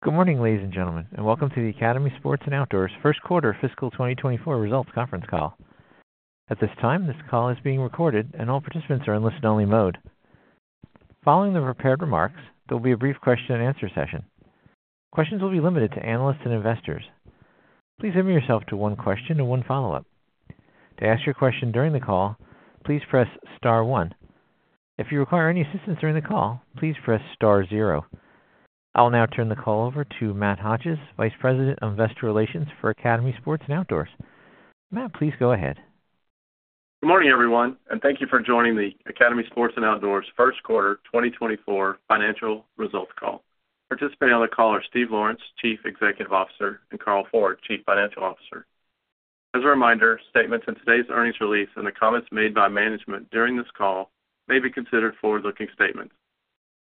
Good morning, ladies and gentlemen, and welcome to the Academy Sports and Outdoors Q1 fiscal 2024 results conference call. At this time, this call is being recorded and all participants are in listen-only mode. Following the prepared remarks, there will be a brief question and answer session. Questions will be limited to analysts and investors. Please limit yourself to one question and one follow-up. To ask your question during the call, please press star one. If you require any assistance during the call, please press star zero. I'll now turn the call over to Matt Hodges, Vice President of Investor Relations for Academy Sports and Outdoors. Matt, please go ahead. Good morning, everyone, and thank you for joining the Academy Sports and Outdoors Q1 2024 financial results call. Participating on the call are Steve Lawrence, Chief Executive Officer, and Carl Ford, Chief Financial Officer. As a reminder, statements in today's earnings release and the comments made by management during this call may be considered forward-looking statements.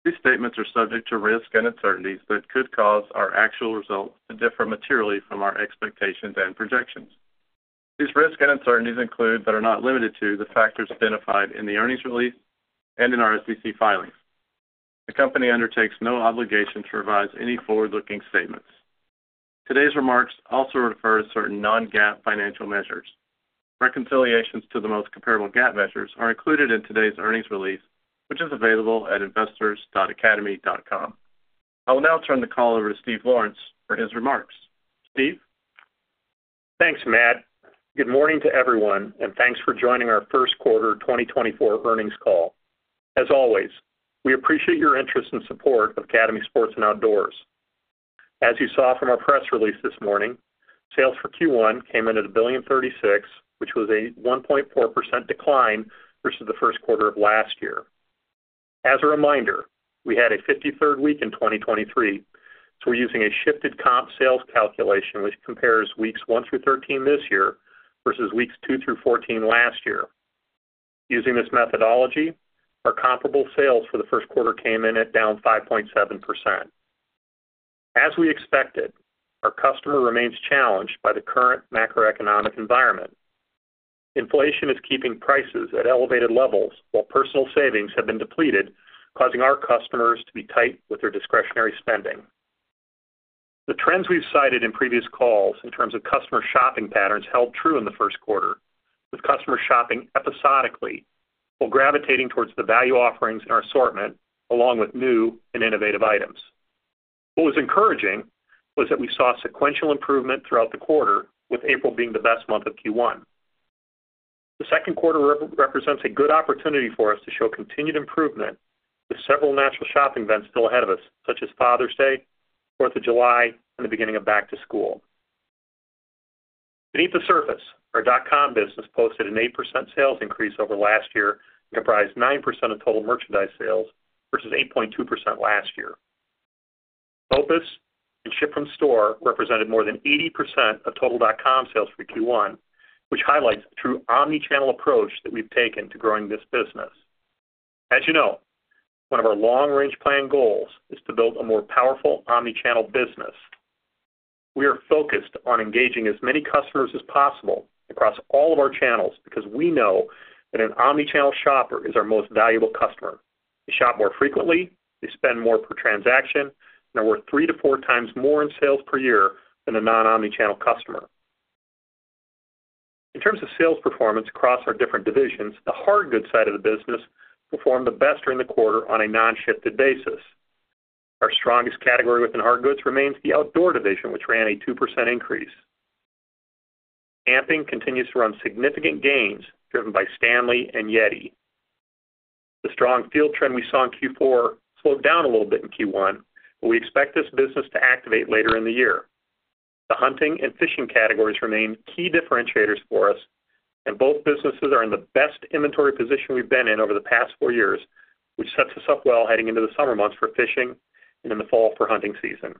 These statements are subject to risks and uncertainties that could cause our actual results to differ materially from our expectations and projections. These risks and uncertainties include, but are not limited to, the factors identified in the earnings release and in our SEC filings. The company undertakes no obligation to revise any forward-looking statements. Today's remarks also refer to certain non-GAAP financial measures. Reconciliations to the most comparable GAAP measures are included in today's earnings release, which is available at investors.academy.com. I will now turn the call over to Steve Lawrence for his remarks. Steve? Thanks, Matt. Good morning to everyone, and thanks for joining our Q1 2024 earnings call. As always, we appreciate your interest and support of Academy Sports and Outdoors. As you saw from our press release this morning, sales for Q1 came in at $1.036 billion, which was a 1.4% decline versus the Q1 of last year. As a reminder, we had a 53rd week in 2023, so we're using a shifted comp sales calculation, which compares weeks 1 through 13 this year versus weeks 2 through 14 last year. Using this methodology, our comparable sales for the Q1 came in at down 5.7%. As we expected, our customer remains challenged by the current macroeconomic environment. Inflation is keeping prices at elevated levels, while personal savings have been depleted, causing our customers to be tight with their discretionary spending. The trends we've cited in previous calls in terms of customer shopping patterns held true in the Q1, with customers shopping episodically while gravitating towards the value offerings in our assortment, along with new and innovative items. What was encouraging was that we saw sequential improvement throughout the quarter, with April being the best month of Q1. The Q2 represents a good opportunity for us to show continued improvement, with several natural shopping events still ahead of us, such as Father's Day, Fourth of July, and the beginning of back to school. Beneath the surface, our dot-com business posted an 8% sales increase over last year and comprised 9% of total merchandise sales versus 8.2% last year. BOPUS and Ship from Store represented more than 80% of total dot-com sales for Q1, which highlights the true omni-channel approach that we've taken to growing this business. As you know, one of our long-range plan goals is to build a more powerful omni-channel business. We are focused on engaging as many customers as possible across all of our channels because we know that an omni-channel shopper is our most valuable customer. They shop more frequently, they spend more per transaction, and are worth 3-4 times more in sales per year than a non-omni-channel customer. In terms of sales performance across our different divisions, the hard goods side of the business performed the best during the quarter on a non-shifted basis. Our strongest category within hard goods remains the outdoor division, which ran a 2% increase. Camping continues to run significant gains, driven by Stanley and YETI. The strong field trend we saw in Q4 slowed down a little bit in Q1, but we expect this business to activate later in the year. The hunting and fishing categories remain key differentiators for us, and both businesses are in the best inventory position we've been in over the past four years, which sets us up well heading into the summer months for fishing and in the fall for hunting season.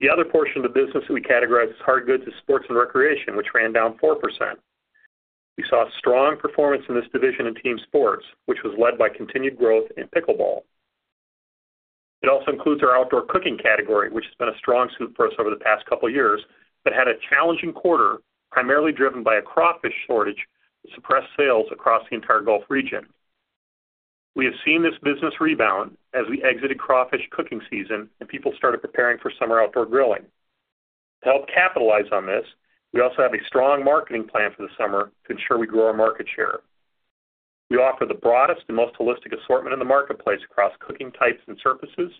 The other portion of the business that we categorize as hard goods is sports and recreation, which ran down 4%. We saw strong performance in this division in team sports, which was led by continued growth in pickleball. It also includes our outdoor cooking category, which has been a strong suit for us over the past couple of years, but had a challenging quarter, primarily driven by a crawfish shortage that suppressed sales across the entire Gulf region. We have seen this business rebound as we exited crawfish cooking season and people started preparing for summer outdoor grilling. To help capitalize on this, we also have a strong marketing plan for the summer to ensure we grow our market share. We offer the broadest and most holistic assortment in the marketplace across cooking types and surfaces,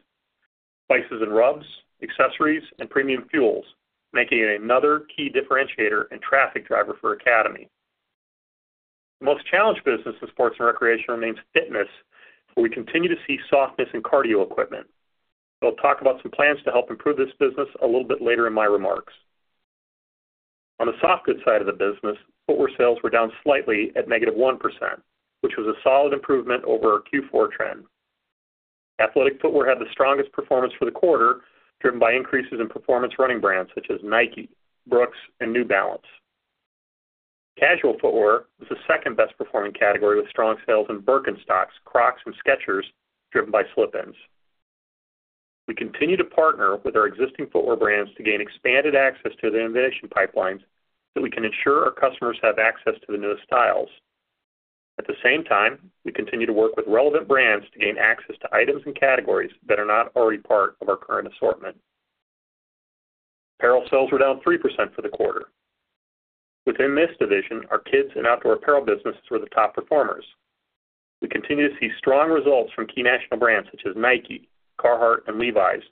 spices and rubs, accessories, and premium fuels, making it another key differentiator and traffic driver for Academy. The most challenged business in sports and recreation remains fitness, where we continue to see softness in cardio equipment. I'll talk about some plans to help improve this business a little bit later in my remarks. On the soft goods side of the business, footwear sales were down slightly at -1%, which was a solid improvement over our Q4 trend. Athletic footwear had the strongest performance for the quarter, driven by increases in performance running brands such as Nike, Brooks, and New Balance. Casual footwear was the second best performing category, with strong sales in Birkenstocks, Crocs and Skechers, driven by Slip-ins... We continue to partner with our existing footwear brands to gain expanded access to the innovation pipelines, so we can ensure our customers have access to the newest styles. At the same time, we continue to work with relevant brands to gain access to items and categories that are not already part of our current assortment. Apparel sales were down 3% for the quarter. Within this division, our kids and outdoor apparel businesses were the top performers. We continue to see strong results from key national brands such as Nike, Carhartt, and Levi's,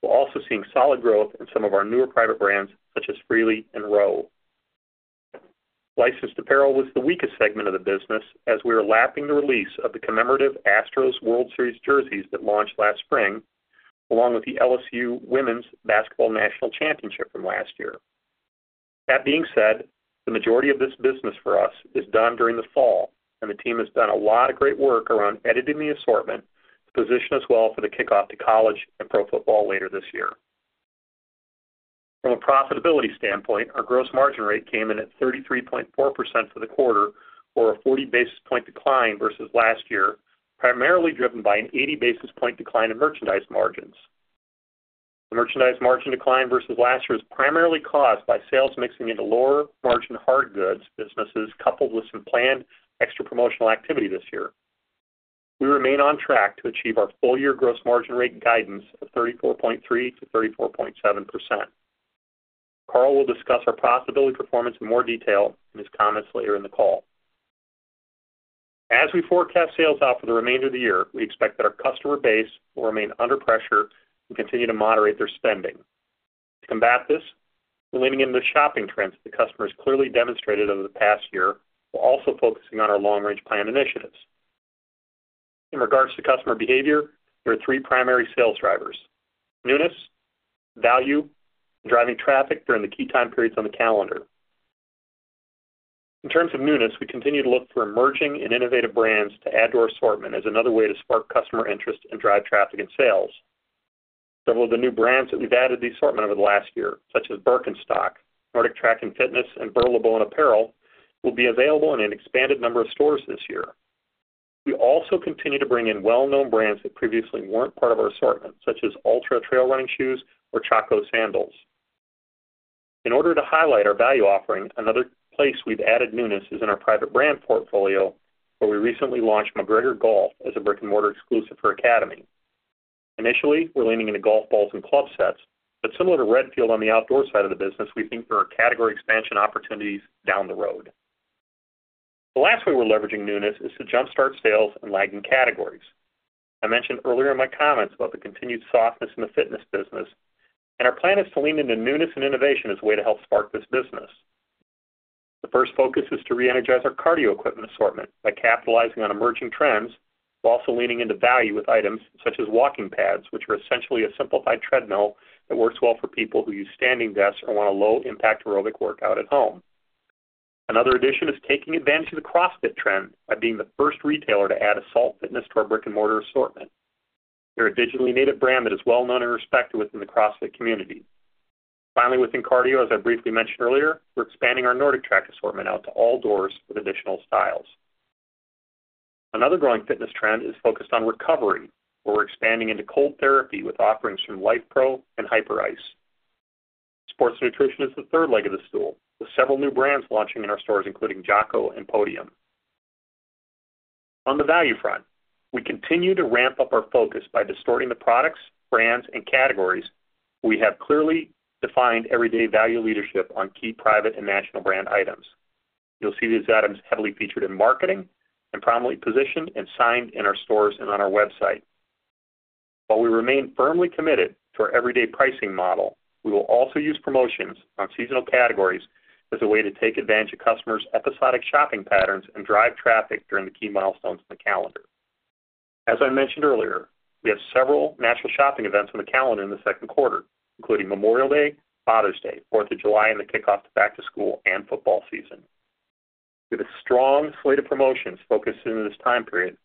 while also seeing solid growth in some of our newer private brands, such as Freely and R.O.W. Licensed apparel was the weakest segment of the business, as we are lapping the release of the commemorative Astros World Series jerseys that launched last spring, along with the LSU Women's Basketball National Championship from last year. That being said, the majority of this business for us is done during the fall, and the team has done a lot of great work around editing the assortment to position us well for the kickoff to college and pro football later this year. From a profitability standpoint, our gross margin rate came in at 33.4% for the quarter or a 40 basis point decline versus last year, primarily driven by an 80 basis point decline in merchandise margins. The merchandise margin decline versus last year was primarily caused by sales mixing into lower-margin hard goods businesses, coupled with some planned extra promotional activity this year. We remain on track to achieve our full-year gross margin rate guidance of 34.3%-34.7%. Carl will discuss our profitability performance in more detail in his comments later in the call. As we forecast sales out for the remainder of the year, we expect that our customer base will remain under pressure and continue to moderate their spending. To combat this, we're leaning into the shopping trends that customers clearly demonstrated over the past year, while also focusing on our long-range plan initiatives. In regards to customer behavior, there are three primary sales drivers: newness, value, and driving traffic during the key time periods on the calendar. In terms of newness, we continue to look for emerging and innovative brands to add to our assortment as another way to spark customer interest and drive traffic and sales. Several of the new brands that we've added to the assortment over the last year, such as Birkenstock, NordicTrack, Assault Fitness, and Burlebo apparel, will be available in an expanded number of stores this year. We also continue to bring in well-known brands that previously weren't part of our assortment, such as Altra trail running shoes or Chaco sandals. In order to highlight our value offering, another place we've added newness is in our private brand portfolio, where we recently launched MacGregor Golf as a brick-and-mortar exclusive for Academy. Initially, we're leaning into golf balls and club sets, but similar to Redfield on the outdoor side of the business, we think there are category expansion opportunities down the road. The last way we're leveraging newness is to jumpstart sales in lagging categories. I mentioned earlier in my comments about the continued softness in the fitness business, and our plan is to lean into newness and innovation as a way to help spark this business. The first focus is to reenergize our cardio equipment assortment by capitalizing on emerging trends, while also leaning into value with items such as walking pads, which are essentially a simplified treadmill that works well for people who use standing desks or want a low-impact aerobic workout at home. Another addition is taking advantage of the CrossFit trend by being the first retailer to add Assault Fitness to our brick-and-mortar assortment. They're a digitally native brand that is well known and respected within the CrossFit community. Finally, within cardio, as I briefly mentioned earlier, we're expanding our NordicTrack assortment out to all doors with additional styles. Another growing fitness trend is focused on recovery, where we're expanding into cold therapy with offerings from LifePro and Hyperice. Sports nutrition is the third leg of the stool, with several new brands launching in our stores, including Jocko and Podium. On the value front, we continue to ramp up our focus by distorting the products, brands, and categories we have clearly defined everyday value leadership on key private and national brand items. You'll see these items heavily featured in marketing and prominently positioned and signed in our stores and on our website. While we remain firmly committed to our everyday pricing model, we will also use promotions on seasonal categories as a way to take advantage of customers' episodic shopping patterns and drive traffic during the key milestones in the calendar. As I mentioned earlier, we have several natural shopping events on the calendar in the Q2, including Memorial Day, Father's Day, Fourth of July, and the kickoff to back-to-school and football season. We have a strong slate of promotions focused into this time period,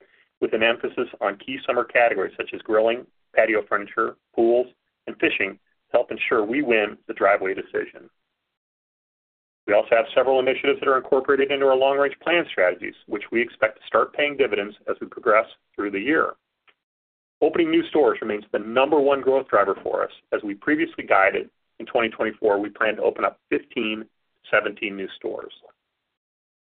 with an emphasis on key summer categories such as grilling, patio furniture, pools, and fishing, to help ensure we win the driveway decision. We also have several initiatives that are incorporated into our long-range plan strategies, which we expect to start paying dividends as we progress through the year. Opening new stores remains the number one growth driver for us. As we previously guided, in 2024, we plan to open up 15-17 new stores.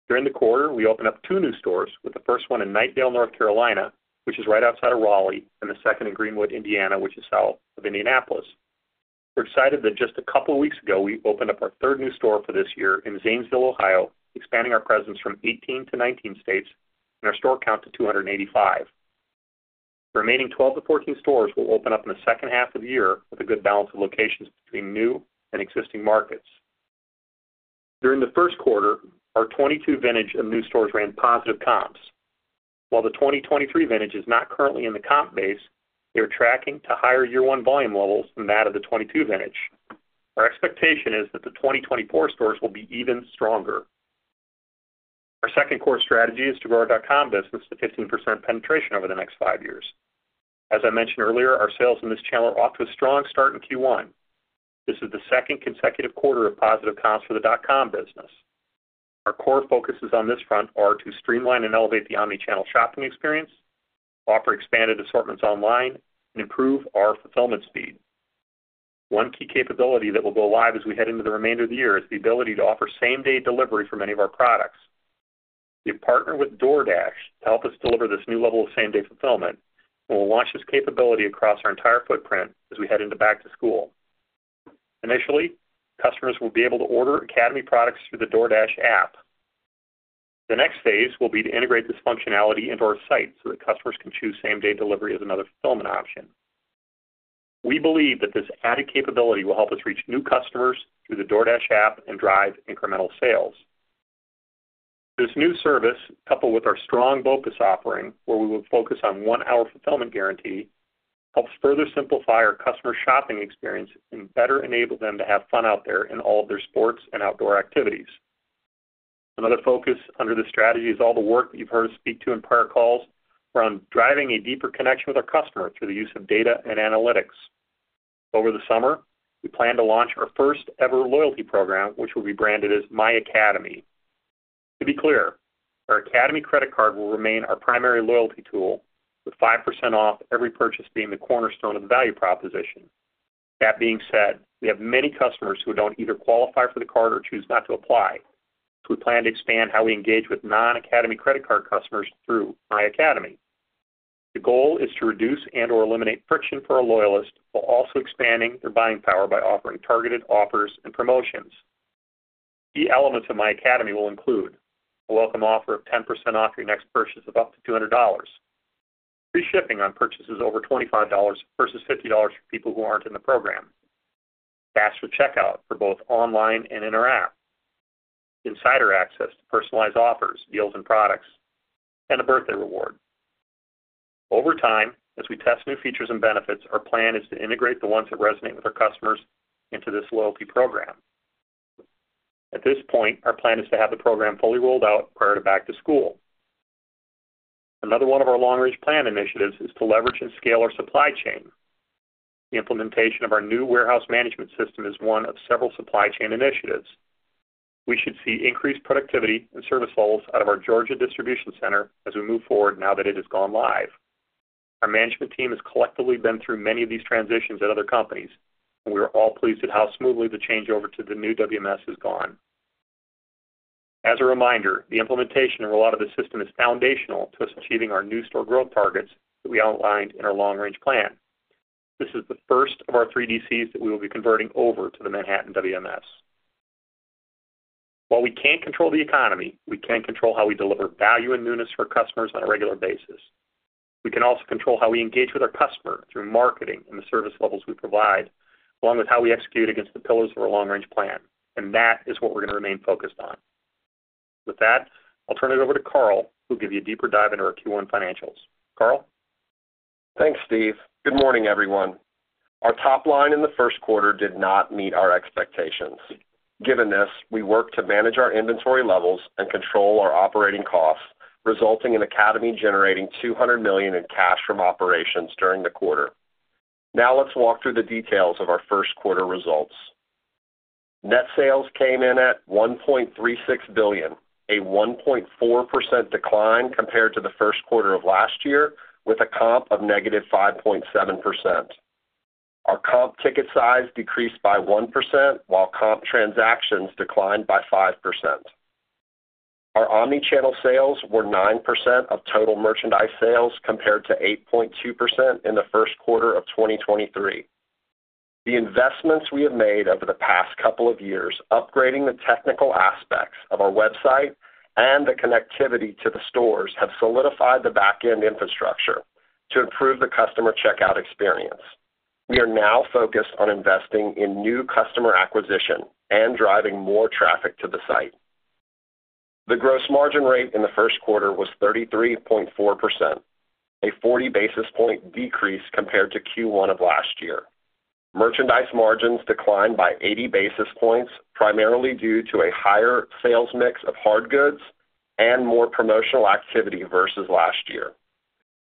During the quarter, we opened up 2 new stores, with the first one in Knightdale, North Carolina, which is right outside of Raleigh, and the second in Greenwood, Indiana, which is south of Indianapolis. We're excited that just a couple of weeks ago, we opened up our third new store for this year in Zanesville, Ohio, expanding our presence from 18 to 19 states and our store count to 285. The remaining 12-14 stores will open up in the second half of the year with a good balance of locations between new and existing markets. During the Q1, our 2022 vintage and new stores ran positive comps. While the 2023 vintage is not currently in the comp base, they are tracking to higher year-one volume levels than that of the 2022 vintage. Our expectation is that the 2024 stores will be even stronger. Our second core strategy is to grow our dot-com business to 15% penetration over the next five years. As I mentioned earlier, our sales in this channel are off to a strong start in Q1. This is the second consecutive quarter of positive comps for the dot-com business. Our core focuses on this front are to streamline and elevate the omni-channel shopping experience, offer expanded assortments online, and improve our fulfillment speed. One key capability that will go live as we head into the remainder of the year is the ability to offer same-day delivery for many of our products. We've partnered with DoorDash to help us deliver this new level of same-day fulfillment, and we'll launch this capability across our entire footprint as we head into back to school. Initially, customers will be able to order Academy products through the DoorDash app. The next phase will be to integrate this functionality into our site so that customers can choose same-day delivery as another fulfillment option. We believe that this added capability will help us reach new customers through the DoorDash app and drive incremental sales. This new service, coupled with our strong BOPUS offering, where we will focus on one-hour fulfillment guarantee, helps further simplify our customer shopping experience and better enable them to have fun out there in all of their sports and outdoor activities. Another focus under this strategy is all the work that you've heard us speak to in prior calls around driving a deeper connection with our customer through the use of data and analytics. Over the summer, we plan to launch our first-ever loyalty program, which will be branded as myAcademy. To be clear, our Academy credit card will remain our primary loyalty tool, with 5% off every purchase being the cornerstone of the value proposition. That being said, we have many customers who don't either qualify for the card or choose not to apply. So we plan to expand how we engage with non-Academy credit card customers through myAcademy. The goal is to reduce and/or eliminate friction for our loyalists, while also expanding their buying power by offering targeted offers and promotions. Key elements of myAcademy will include: a welcome offer of 10% off your next purchase of up to $200, free shipping on purchases over $25 versus $50 for people who aren't in the program, faster checkout for both online and in our app, insider access to personalized offers, deals, and products, and a birthday reward. Over time, as we test new features and benefits, our plan is to integrate the ones that resonate with our customers into this loyalty program. At this point, our plan is to have the program fully rolled out prior to back to school. Another one of our long-range plan initiatives is to leverage and scale our supply chain. The implementation of our new warehouse management system is one of several supply chain initiatives. We should see increased productivity and service levels out of our Georgia distribution center as we move forward now that it has gone live. Our management team has collectively been through many of these transitions at other companies, and we are all pleased at how smoothly the changeover to the new WMS has gone. As a reminder, the implementation of a lot of the system is foundational to us achieving our new store growth targets that we outlined in our long-range plan. This is the first of our three DCs that we will be converting over to the Manhattan WMS. While we can't control the economy, we can control how we deliver value and newness for our customers on a regular basis. We can also control how we engage with our customer through marketing and the service levels we provide, along with how we execute against the pillars of our long-range plan, and that is what we're going to remain focused on. With that, I'll turn it over to Carl, who'll give you a deeper dive into our Q1 financials. Carl? Thanks, Steve. Good morning, everyone. Our top line in the Q1 did not meet our expectations. Given this, we worked to manage our inventory levels and control our operating costs, resulting in Academy generating $200 million in cash from operations during the quarter. Now, let's walk through the details of our Q1 results. Net sales came in at $1.36 billion, a 1.4% decline compared to the Q1 of last year, with a comp of -5.7%. Our comp ticket size decreased by 1%, while comp transactions declined by 5%. Our omni-channel sales were 9% of total merchandise sales, compared to 8.2% in the Q1 of 2023. The investments we have made over the past couple of years, upgrading the technical aspects of our website and the connectivity to the stores, have solidified the back-end infrastructure to improve the customer checkout experience. We are now focused on investing in new customer acquisition and driving more traffic to the site. The gross margin rate in the Q1 was 33.4%, a 40 basis point decrease compared to Q1 of last year. Merchandise margins declined by 80 basis points, primarily due to a higher sales mix of hard goods and more promotional activity versus last year.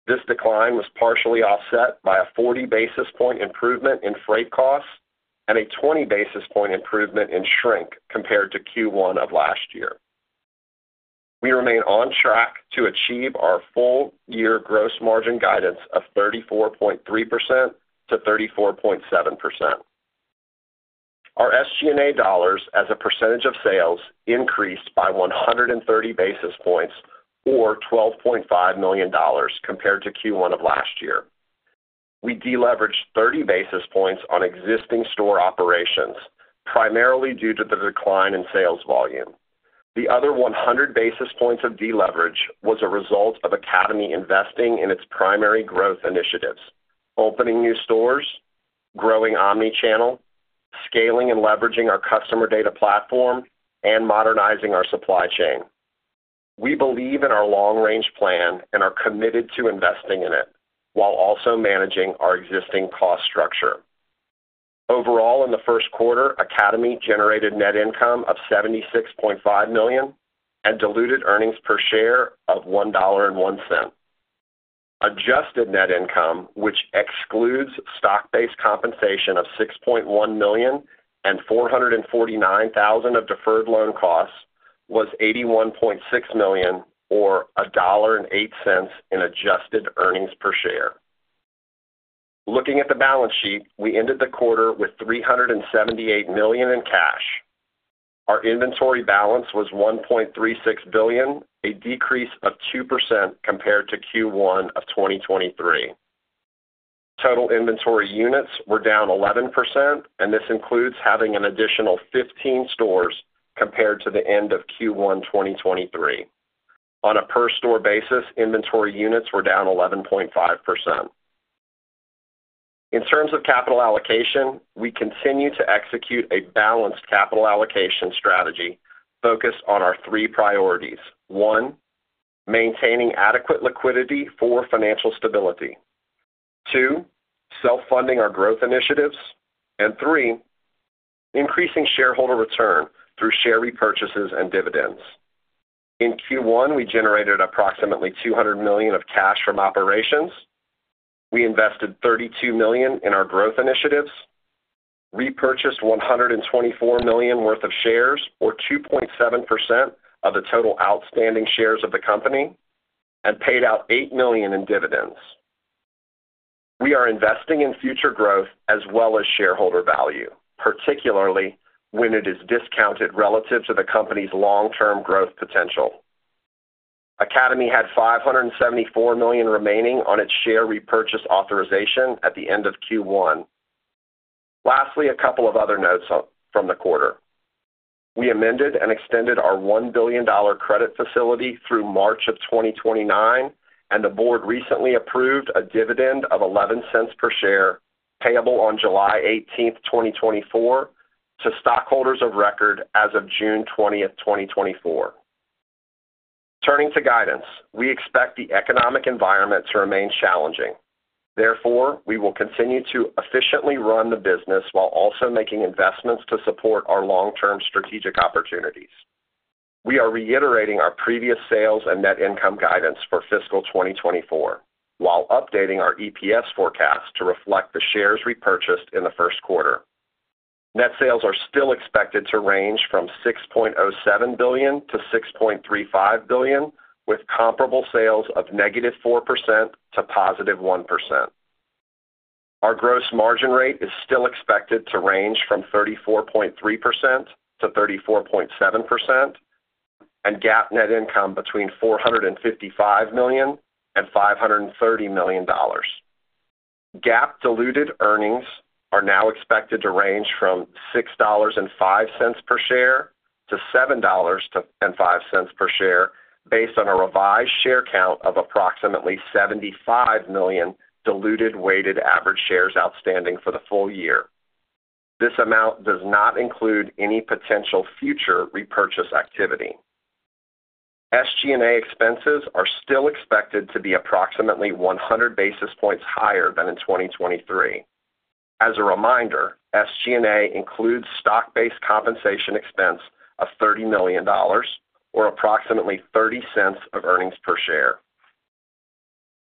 This decline was partially offset by a 40 basis point improvement in freight costs and a 20 basis point improvement in shrink compared to Q1 of last year. We remain on track to achieve our full year gross margin guidance of 34.3%-34.7%. Our SG&A dollars as a percentage of sales increased by 130 basis points or $12.5 million compared to Q1 of last year. We deleveraged 30 basis points on existing store operations, primarily due to the decline in sales volume. The other 100 basis points of deleverage was a result of Academy investing in its primary growth initiatives: opening new stores, growing omni-channel, scaling and leveraging our customer data platform, and modernizing our supply chain. We believe in our long-range plan and are committed to investing in it, while also managing our existing cost structure. Overall, in the Q1, Academy generated net income of $76.5 million and diluted earnings per share of $1.01. Adjusted net income, which excludes stock-based compensation of $6.1 million and $449,000 of deferred loan costs, was $81.6 million, or $1.08 in adjusted earnings per share. Looking at the balance sheet, we ended the quarter with $378 million in cash. Our inventory balance was $1.36 billion, a decrease of 2% compared to Q1 of 2023. Total inventory units were down 11%, and this includes having an additional 15 stores compared to the end of Q1 2023. On a per store basis, inventory units were down 11.5%. In terms of capital allocation, we continue to execute a balanced capital allocation strategy focused on our three priorities: one, maintaining adequate liquidity for financial stability. Two, self-funding our growth initiatives, and three, increasing shareholder return through share repurchases and dividends. In Q1, we generated approximately $200 million of cash from operations. We invested $32 million in our growth initiatives, repurchased $124 million worth of shares, or 2.7% of the total outstanding shares of the company, and paid out $8 million in dividends. We are investing in future growth as well as shareholder value, particularly when it is discounted relative to the company's long-term growth potential. Academy had $574 million remaining on its share repurchase authorization at the end of Q1. Lastly, a couple of other notes from the quarter. We amended and extended our $1 billion credit facility through March of 2029, and the board recently approved a dividend of $0.11 per share, payable on July 18, 2024, to stockholders of record as of June 20, 2024. Turning to guidance, we expect the economic environment to remain challenging. Therefore, we will continue to efficiently run the business while also making investments to support our long-term strategic opportunities. We are reiterating our previous sales and net income guidance for fiscal 2024 while updating our EPS forecast to reflect the shares repurchased in the Q1. Net sales are still expected to range from $6.07 billion to $6.35 billion, with comparable sales of -4% to +1%. Our gross margin rate is still expected to range from 34.3%-34.7%, and GAAP net income between $455 million and $530 million. GAAP diluted earnings are now expected to range from $6.05 per share to $7.05 per share, based on a revised share count of approximately 75 million diluted weighted average shares outstanding for the full year. This amount does not include any potential future repurchase activity. SG&A expenses are still expected to be approximately 100 basis points higher than in 2023. As a reminder, SG&A includes stock-based compensation expense of $30 million, or approximately $0.30 of earnings per share.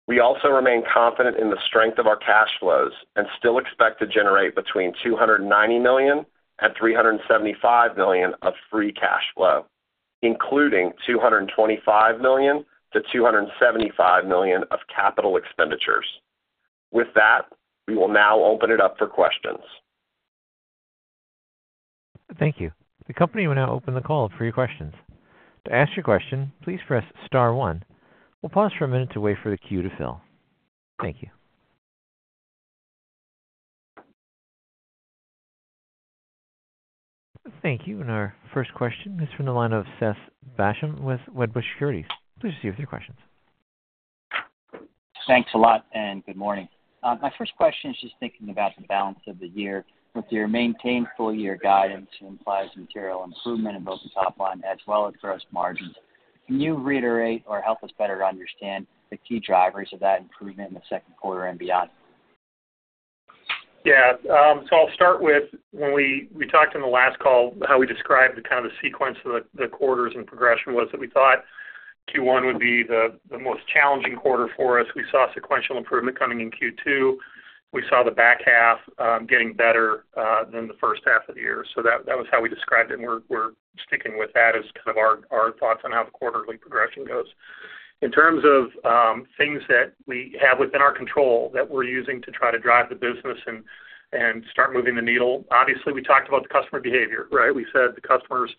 We also remain confident in the strength of our cash flows and still expect to generate between $290 million and $375 million of free cash flow, including $225 million-$275 million of capital expenditures. With that, we will now open it up for questions. Thank you. The company will now open the call for your questions. To ask your question, please press star one. We'll pause for a minute to wait for the queue to fill. Thank you. Thank you. And our first question is from the line of Seth Basham with Wedbush Securities. Please proceed with your questions. Thanks a lot, and good morning. My first question is just thinking about the balance of the year with your maintained full year guidance implies material improvement in both the top line as well as gross margins. Can you reiterate or help us better understand the key drivers of that improvement in the Q2 and beyond? Yeah, so I'll start with when we talked on the last call, how we described the sequence of the quarters and progression was that we thought Q1 would be the most challenging quarter for us. We saw sequential improvement coming in Q2. We saw the back half getting better than the first half of the year. So that was how we described it, and we're sticking with that as kind of our thoughts on how the quarterly progression goes. In terms of things that we have within our control that we're using to try to drive the business and start moving the needle. Obviously, we talked about the customer behavior, right? We said the customers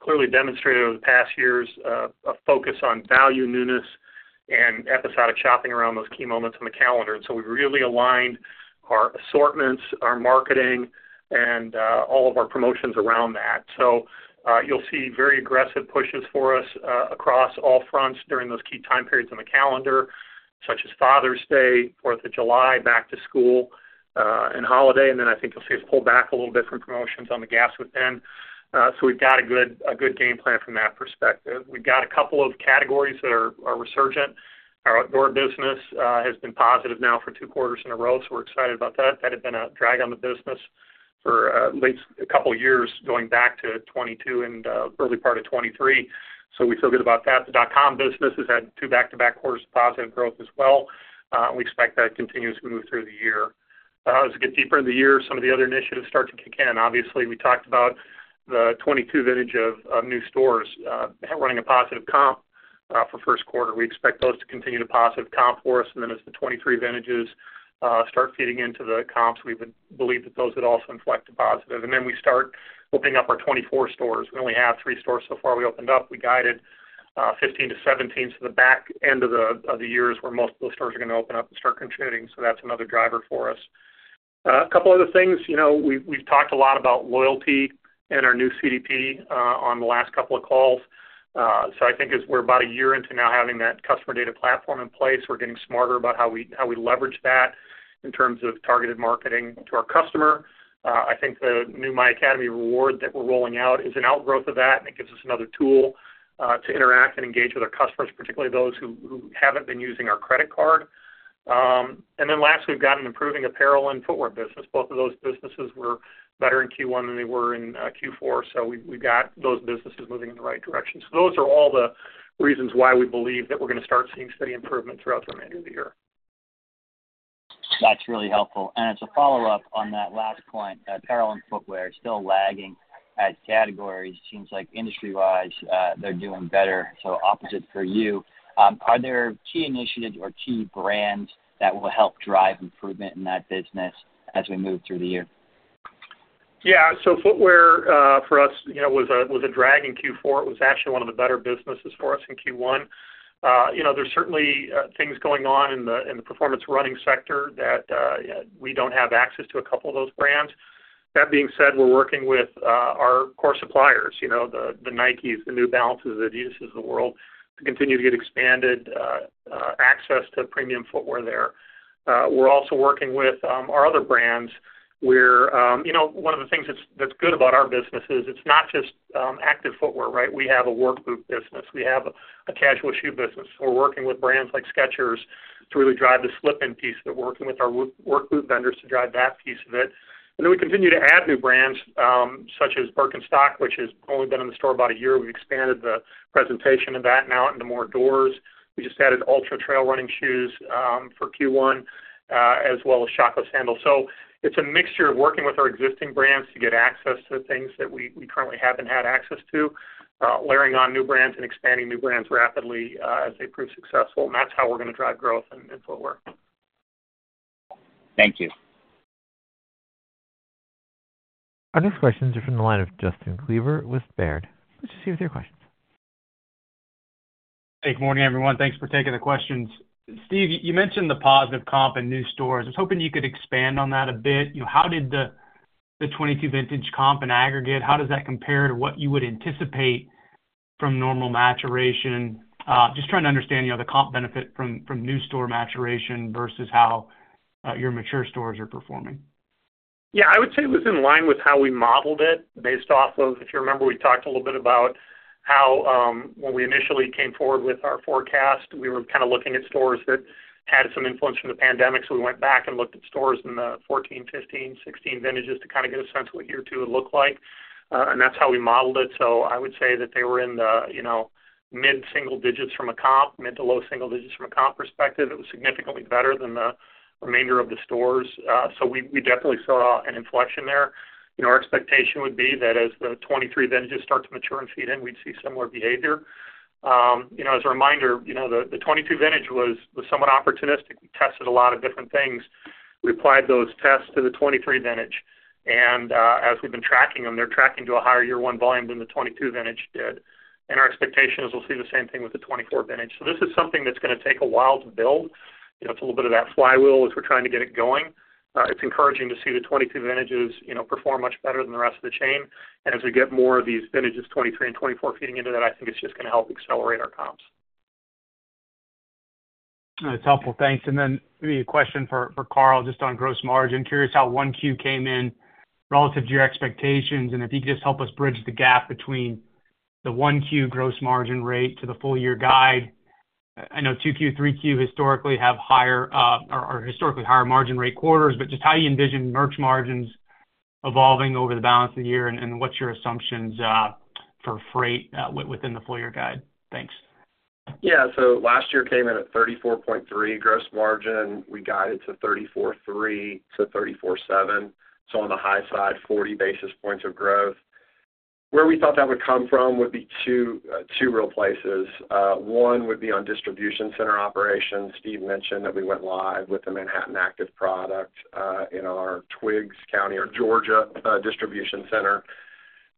clearly demonstrated over the past years, a focus on value, newness, and episodic shopping around those key moments in the calendar. And so we've really aligned our assortments, our marketing, and, all of our promotions around that. So, you'll see very aggressive pushes for us, across all fronts during those key time periods on the calendar, such as Father's Day, Fourth of July, back to school, and holiday. And then I think you'll see us pull back a little different promotions on the gas within. So we've got a good, a good game plan from that perspective. We've got a couple of categories that are, are resurgent. Our outdoor business, has been positive now for two quarters in a row, so we're excited about that. That had been a drag on the business. For at least a couple years, going back to 2022 and early part of 2023. So we feel good about that. The dot-com business has had two back-to-back quarters of positive growth as well, and we expect that to continue as we move through the year. As we get deeper in the year, some of the other initiatives start to kick in. Obviously, we talked about the 2022 vintage of new stores, running a positive comp for Q1. We expect those to continue to positive comp for us, and then as the 2023 vintages start feeding into the comps, we would believe that those would also inflect to positive. And then we start opening up our 2024 stores. We only have three stores so far we opened up. We guided 15-17, so the back end of the year is where most of those stores are gonna open up and start contributing. So that's another driver for us. A couple other things, you know, we've talked a lot about loyalty and our new CDP on the last couple of calls. So I think as we're about a year into now having that customer data platform in place, we're getting smarter about how we leverage that in terms of targeted marketing to our customer. I think the new myAcademy Reward that we're rolling out is an outgrowth of that, and it gives us another tool to interact and engage with our customers, particularly those who haven't been using our credit card. And then lastly, we've got an improving apparel and footwear business. Both of those businesses were better in Q1 than they were in Q4, so we've got those businesses moving in the right direction. So those are all the reasons why we believe that we're gonna start seeing steady improvement throughout the remainder of the year. That's really helpful. As a follow-up on that last point, apparel and footwear are still lagging as categories. It seems like industry-wise, they're doing better, so opposite for you. Are there key initiatives or key brands that will help drive improvement in that business as we move through the year? Yeah. So footwear, for us, you know, was a drag in Q4. It was actually one of the better businesses for us in Q1. You know, there's certainly things going on in the performance running sector that we don't have access to a couple of those brands. That being said, we're working with our core suppliers, you know, the Nikes, the New Balances, the Adidas of the world, to continue to get expanded access to premium footwear there. We're also working with our other brands, where you know, one of the things that's good about our business is it's not just active footwear, right? We have a work boot business. We have a casual shoe business. We're working with brands like Skechers to really drive the slip-in piece. We're working with our work boot vendors to drive that piece of it. Then we continue to add new brands, such as Birkenstock, which has only been in the store about a year. We expanded the presentation of that now into more doors. We just added Altra trail running shoes for Q1, as well as Chaco sandals. It's a mixture of working with our existing brands to get access to things that we currently haven't had access to, layering on new brands and expanding new brands rapidly, as they prove successful, and that's how we're gonna drive growth in footwear. Thank you. Our next questions are from the line of Justin Kleber with Baird. Let's just see with your questions. Good morning, everyone. Thanks for taking the questions. Steve, you mentioned the positive comp in new stores. I was hoping you could expand on that a bit. You know, how did the 2022 vintage comp and aggregate, how does that compare to what you would anticipate from normal maturation? Just trying to understand, you know, the comp benefit from new store maturation versus how your mature stores are performing. Yeah, I would say it was in line with how we modeled it, based off of... If you remember, we talked a little bit about how, when we initially came forward with our forecast, we were kind of looking at stores that had some influence from the pandemic. So we went back and looked at stores in the 14, 15, 16 vintages to kind of get a sense of what year two would look like, and that's how we modeled it. So I would say that they were in the, you know, mid-single digits from a comp, mid to low single digits from a comp perspective. It was significantly better than the remainder of the stores. So we definitely saw an inflection there. You know, our expectation would be that as the 2023 vintages start to mature and feed in, we'd see similar behavior. You know, as a reminder, you know, the '22 vintage was somewhat opportunistic. We tested a lot of different things. We applied those tests to the '23 vintage, and as we've been tracking them, they're tracking to a higher year one volume than the '22 vintage did. And our expectation is we'll see the same thing with the '24 vintage. So this is something that's gonna take a while to build. You know, it's a little bit of that flywheel as we're trying to get it going. It's encouraging to see the '22 vintages, you know, perform much better than the rest of the chain. And as we get more of these vintages, '23 and '24 feeding into that, I think it's just gonna help accelerate our comps. That's helpful. Thanks. And then maybe a question for Carl, just on gross margin. Curious how 1Q came in relative to your expectations, and if you could just help us bridge the gap between the 1Q gross margin rate to the full year guide. I know 2Q, 3Q historically have higher, are historically higher margin rate quarters, but just how you envision merch margins evolving over the balance of the year, and what's your assumptions for freight within the full year guide? Thanks. Yeah, so last year came in at 34.3 gross margin. We guided to 34.3-34.7. So on the high side, 40 basis points of growth. Where we thought that would come from would be two real places. One would be on distribution center operations. Steve mentioned that we went live with the Manhattan Active product in our Twiggs County, Georgia, distribution center,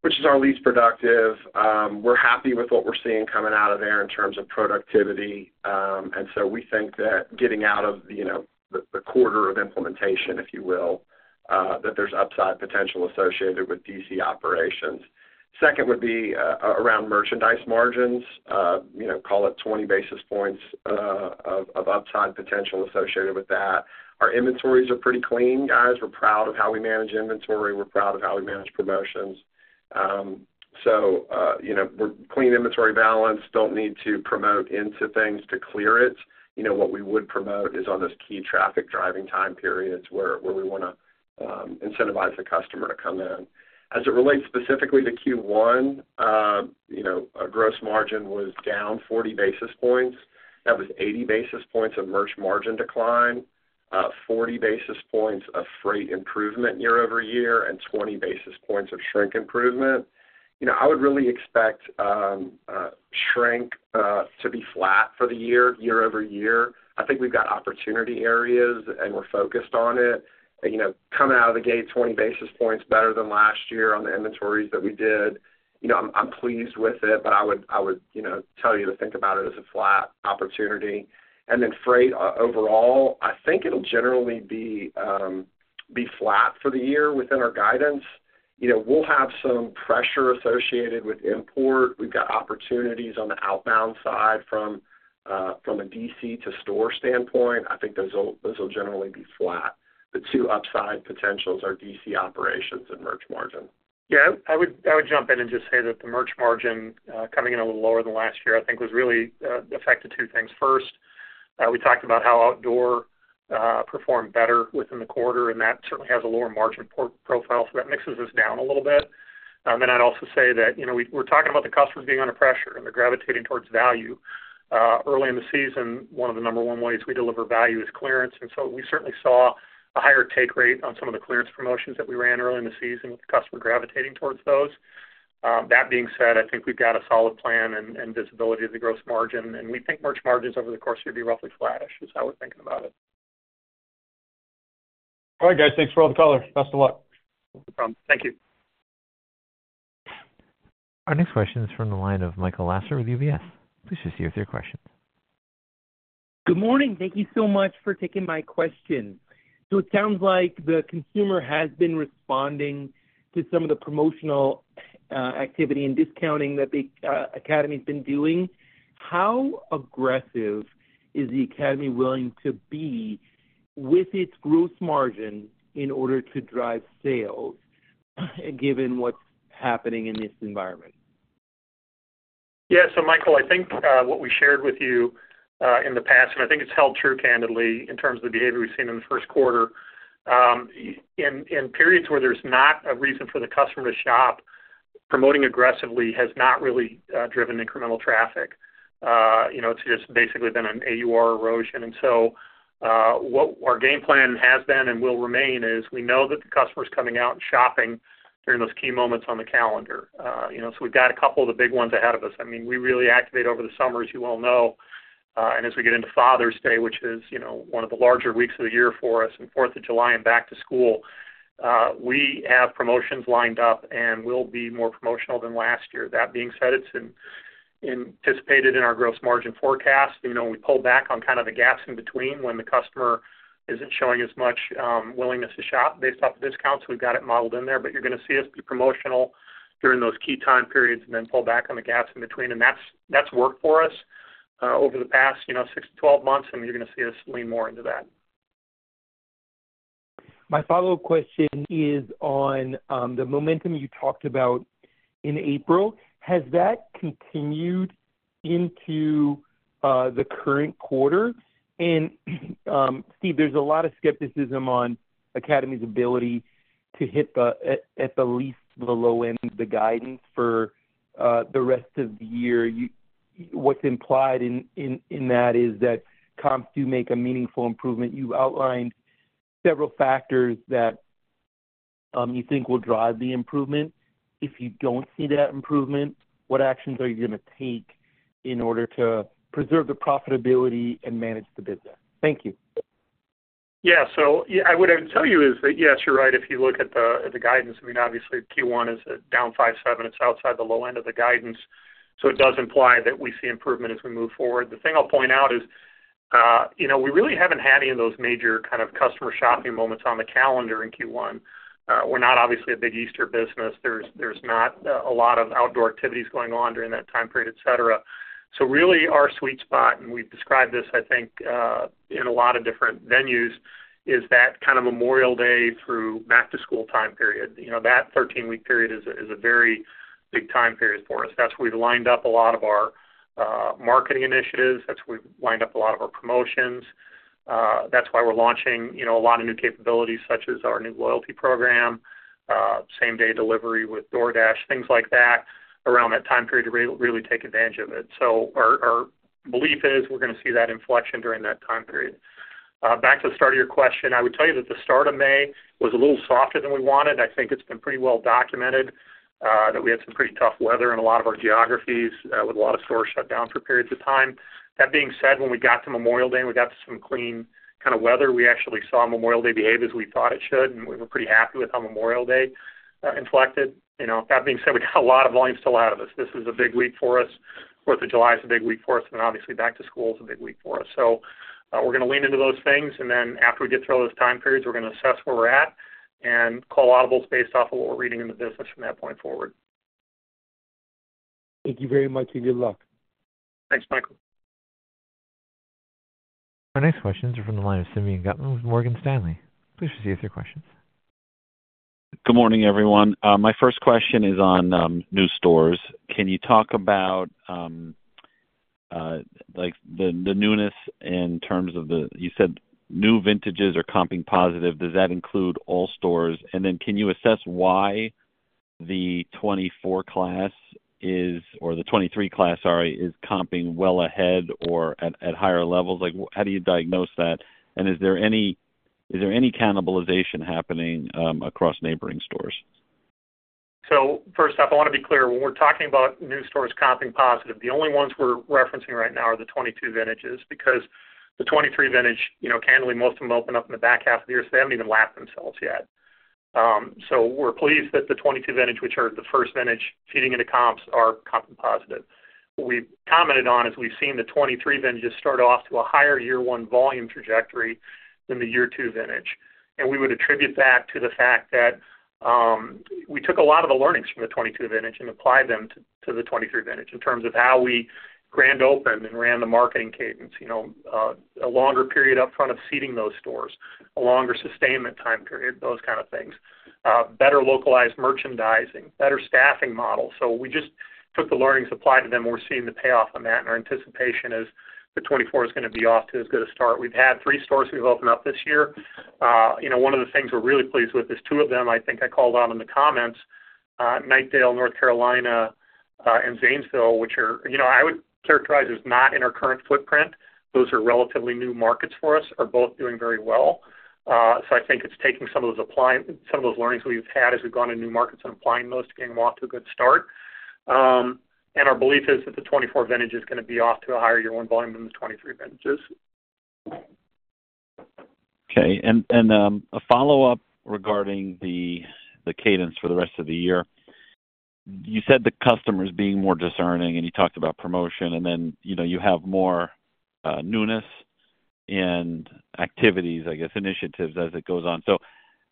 which is our least productive. We're happy with what we're seeing coming out of there in terms of productivity. And so we think that getting out of the, you know, the, the quarter of implementation, if you will, that there's upside potential associated with DC operations. Second would be around merchandise margins. You know, call it 20 basis points of upside potential associated with that. Our inventories are pretty clean, guys. We're proud of how we manage inventory. We're proud of how we manage promotions. So, you know, we're clean inventory balance, don't need to promote into things to clear it. You know, what we would promote is on those key traffic driving time periods where we wanna incentivize the customer to come in. As it relates specifically to Q1, you know, our gross margin was down 40 basis points. That was 80 basis points of merch margin decline, 40 basis points of freight improvement year-over-year, and 20 basis points of shrink improvement. You know, I would really expect shrink to be flat for the year, year-over-year. I think we've got opportunity areas, and we're focused on it. You know, coming out of the gate 20 basis points better than last year on the inventories that we did, you know, I'm pleased with it, but I would, you know, tell you to think about it as a flat opportunity. And then freight, overall, I think it'll generally be flat for the year within our guidance. You know, we'll have some pressure associated with import. We've got opportunities on the outbound side from a DC to store standpoint. I think those will generally be flat. The two upside potentials are DC operations and merch margin. Yeah, I would jump in and just say that the merch margin coming in a little lower than last year, I think was really affected two things. First, we talked about how outdoor performed better within the quarter, and that certainly has a lower margin profile, so that mixes us down a little bit. Then I'd also say that, you know, we're talking about the customers being under pressure, and they're gravitating towards value. Early in the season, one of the number one ways we deliver value is clearance, and so we certainly saw a higher take rate on some of the clearance promotions that we ran early in the season, with the customer gravitating towards those. That being said, I think we've got a solid plan and visibility of the gross margin, and we think merch margins over the course year will be roughly flattish, is how we're thinking about it. All right, guys, thanks for all the color. Best of luck. No problem. Thank you. Our next question is from the line of Michael Lasser with UBS. Please go ahead with your question. Good morning. Thank you so much for taking my question. So it sounds like the consumer has been responding to some of the promotional activity and discounting that the Academy's been doing. How aggressive is the Academy willing to be with its growth margin in order to drive sales, given what's happening in this environment? Yeah, so Michael, I think what we shared with you in the past, and I think it's held true candidly, in terms of the behavior we've seen in the Q1. In periods where there's not a reason for the customer to shop, promoting aggressively has not really driven incremental traffic. You know, it's just basically been an AUR erosion. And so what our game plan has been and will remain is, we know that the customer's coming out and shopping during those key moments on the calendar. You know, so we've got a couple of the big ones ahead of us. I mean, we really activate over the summer, as you all know. And as we get into Father's Day, which is, you know, one of the larger weeks of the year for us, and Fourth of July and back to school, we have promotions lined up, and we'll be more promotional than last year. That being said, it's anticipated in our gross margin forecast. You know, we pull back on kind of the gaps in between when the customer isn't showing as much willingness to shop based off the discounts. We've got it modeled in there, but you're gonna see us be promotional during those key time periods and then pull back on the gaps in between. And that's, that's worked for us over the past, you know, six to 12 months, and you're gonna see us lean more into that. My follow-up question is on the momentum you talked about in April. Has that continued into the current quarter? And, Steve, there's a lot of skepticism on Academy's ability to hit at least the low end of the guidance for the rest of the year. What's implied in that is that comps do make a meaningful improvement. You've outlined several factors that you think will drive the improvement. If you don't see that improvement, what actions are you gonna take in order to preserve the profitability and manage the business? Thank you. Yeah. So yeah, I would tell you is that, yes, you're right. If you look at the guidance, I mean, obviously Q1 is down 5.7%. It's outside the low end of the guidance, so it does imply that we see improvement as we move forward. The thing I'll point out is, you know, we really haven't had any of those major kind of customer shopping moments on the calendar in Q1. We're not obviously a big Easter business. There's not a lot of outdoor activities going on during that time period, et cetera. So really, our sweet spot, and we've described this, I think, in a lot of different venues, is that kind of Memorial Day through back to school time period. You know, that 13-week period is a very big time period for us. That's we've lined up a lot of our promotions. That's why we're launching, you know, a lot of new capabilities, such as our new loyalty program, same-day delivery with DoorDash, things like that, around that time period to really take advantage of it. So our belief is we're gonna see that inflection during that time period. Back to the start of your question, I would tell you that the start of May was a little softer than we wanted. I think it's been pretty well documented that we had some pretty tough weather in a lot of our geographies, with a lot of stores shut down for periods of time. That being said, when we got to Memorial Day, and we got to some clean kinda weather, we actually saw Memorial Day behave as we thought it should, and we were pretty happy with how Memorial Day inflected. You know, that being said, we got a lot of volume still out of this. This is a big week for us. Fourth of July is a big week for us, and obviously, back to school is a big week for us. So, we're gonna lean into those things, and then after we get through all those time periods, we're gonna assess where we're at and call audibles based off of what we're reading in the business from that point forward. Thank you very much, and good luck. Thanks, Michael. Our next questions are from the line of Simeon Gutman with Morgan Stanley. Please proceed with your questions. Good morning, everyone. My first question is on new stores. Can you talk about like the newness in terms of the... You said new vintages are comping positive. Does that include all stores? And then can you assess why the 24 class is, or the 23 class, sorry, is comping well ahead or at higher levels? Like, how do you diagnose that? And is there any cannibalization happening across neighboring stores? First off, I want to be clear. When we're talking about new stores comping positive, the only ones we're referencing right now are the 22 vintages, because the 23 vintage, you know, candidly, most of them opened up in the back half of the year, so they haven't even lapped themselves yet. So we're pleased that the 22 vintage, which are the first vintage feeding into comps, are comping positive. What we've commented on is we've seen the 23 vintages start off to a higher year-one volume trajectory than the year-two vintage. And we would attribute that to the fact that, we took a lot of the learnings from the 22 vintage and applied them to the 23 vintage in terms of how we grand opened and ran the marketing cadence. You know, a longer period up front of seeding those stores, a longer sustainment time period, those kind of things, better localized merchandising, better staffing models. So we just took the learnings, applied to them, and we're seeing the payoff on that, and our anticipation is 2024 is gonna be off to as good a start. We've had three stores we've opened up this year. You know, one of the things we're really pleased with is two of them, I think I called out in the comments, Knightdale, North Carolina, and Zanesville, which are. You know, I would characterize as not in our current footprint. Those are relatively new markets for us, are both doing very well. So I think it's taking some of those learnings we've had as we've gone into new markets and applying those to getting them off to a good start. Our belief is that the 2024 vintage is gonna be off to a higher year-one volume than the 2023 vintages. Okay, and a follow-up regarding the cadence for the rest of the year. You said the customer is being more discerning, and you talked about promotion, and then, you know, you have more newness and activities, I guess, initiatives as it goes on. So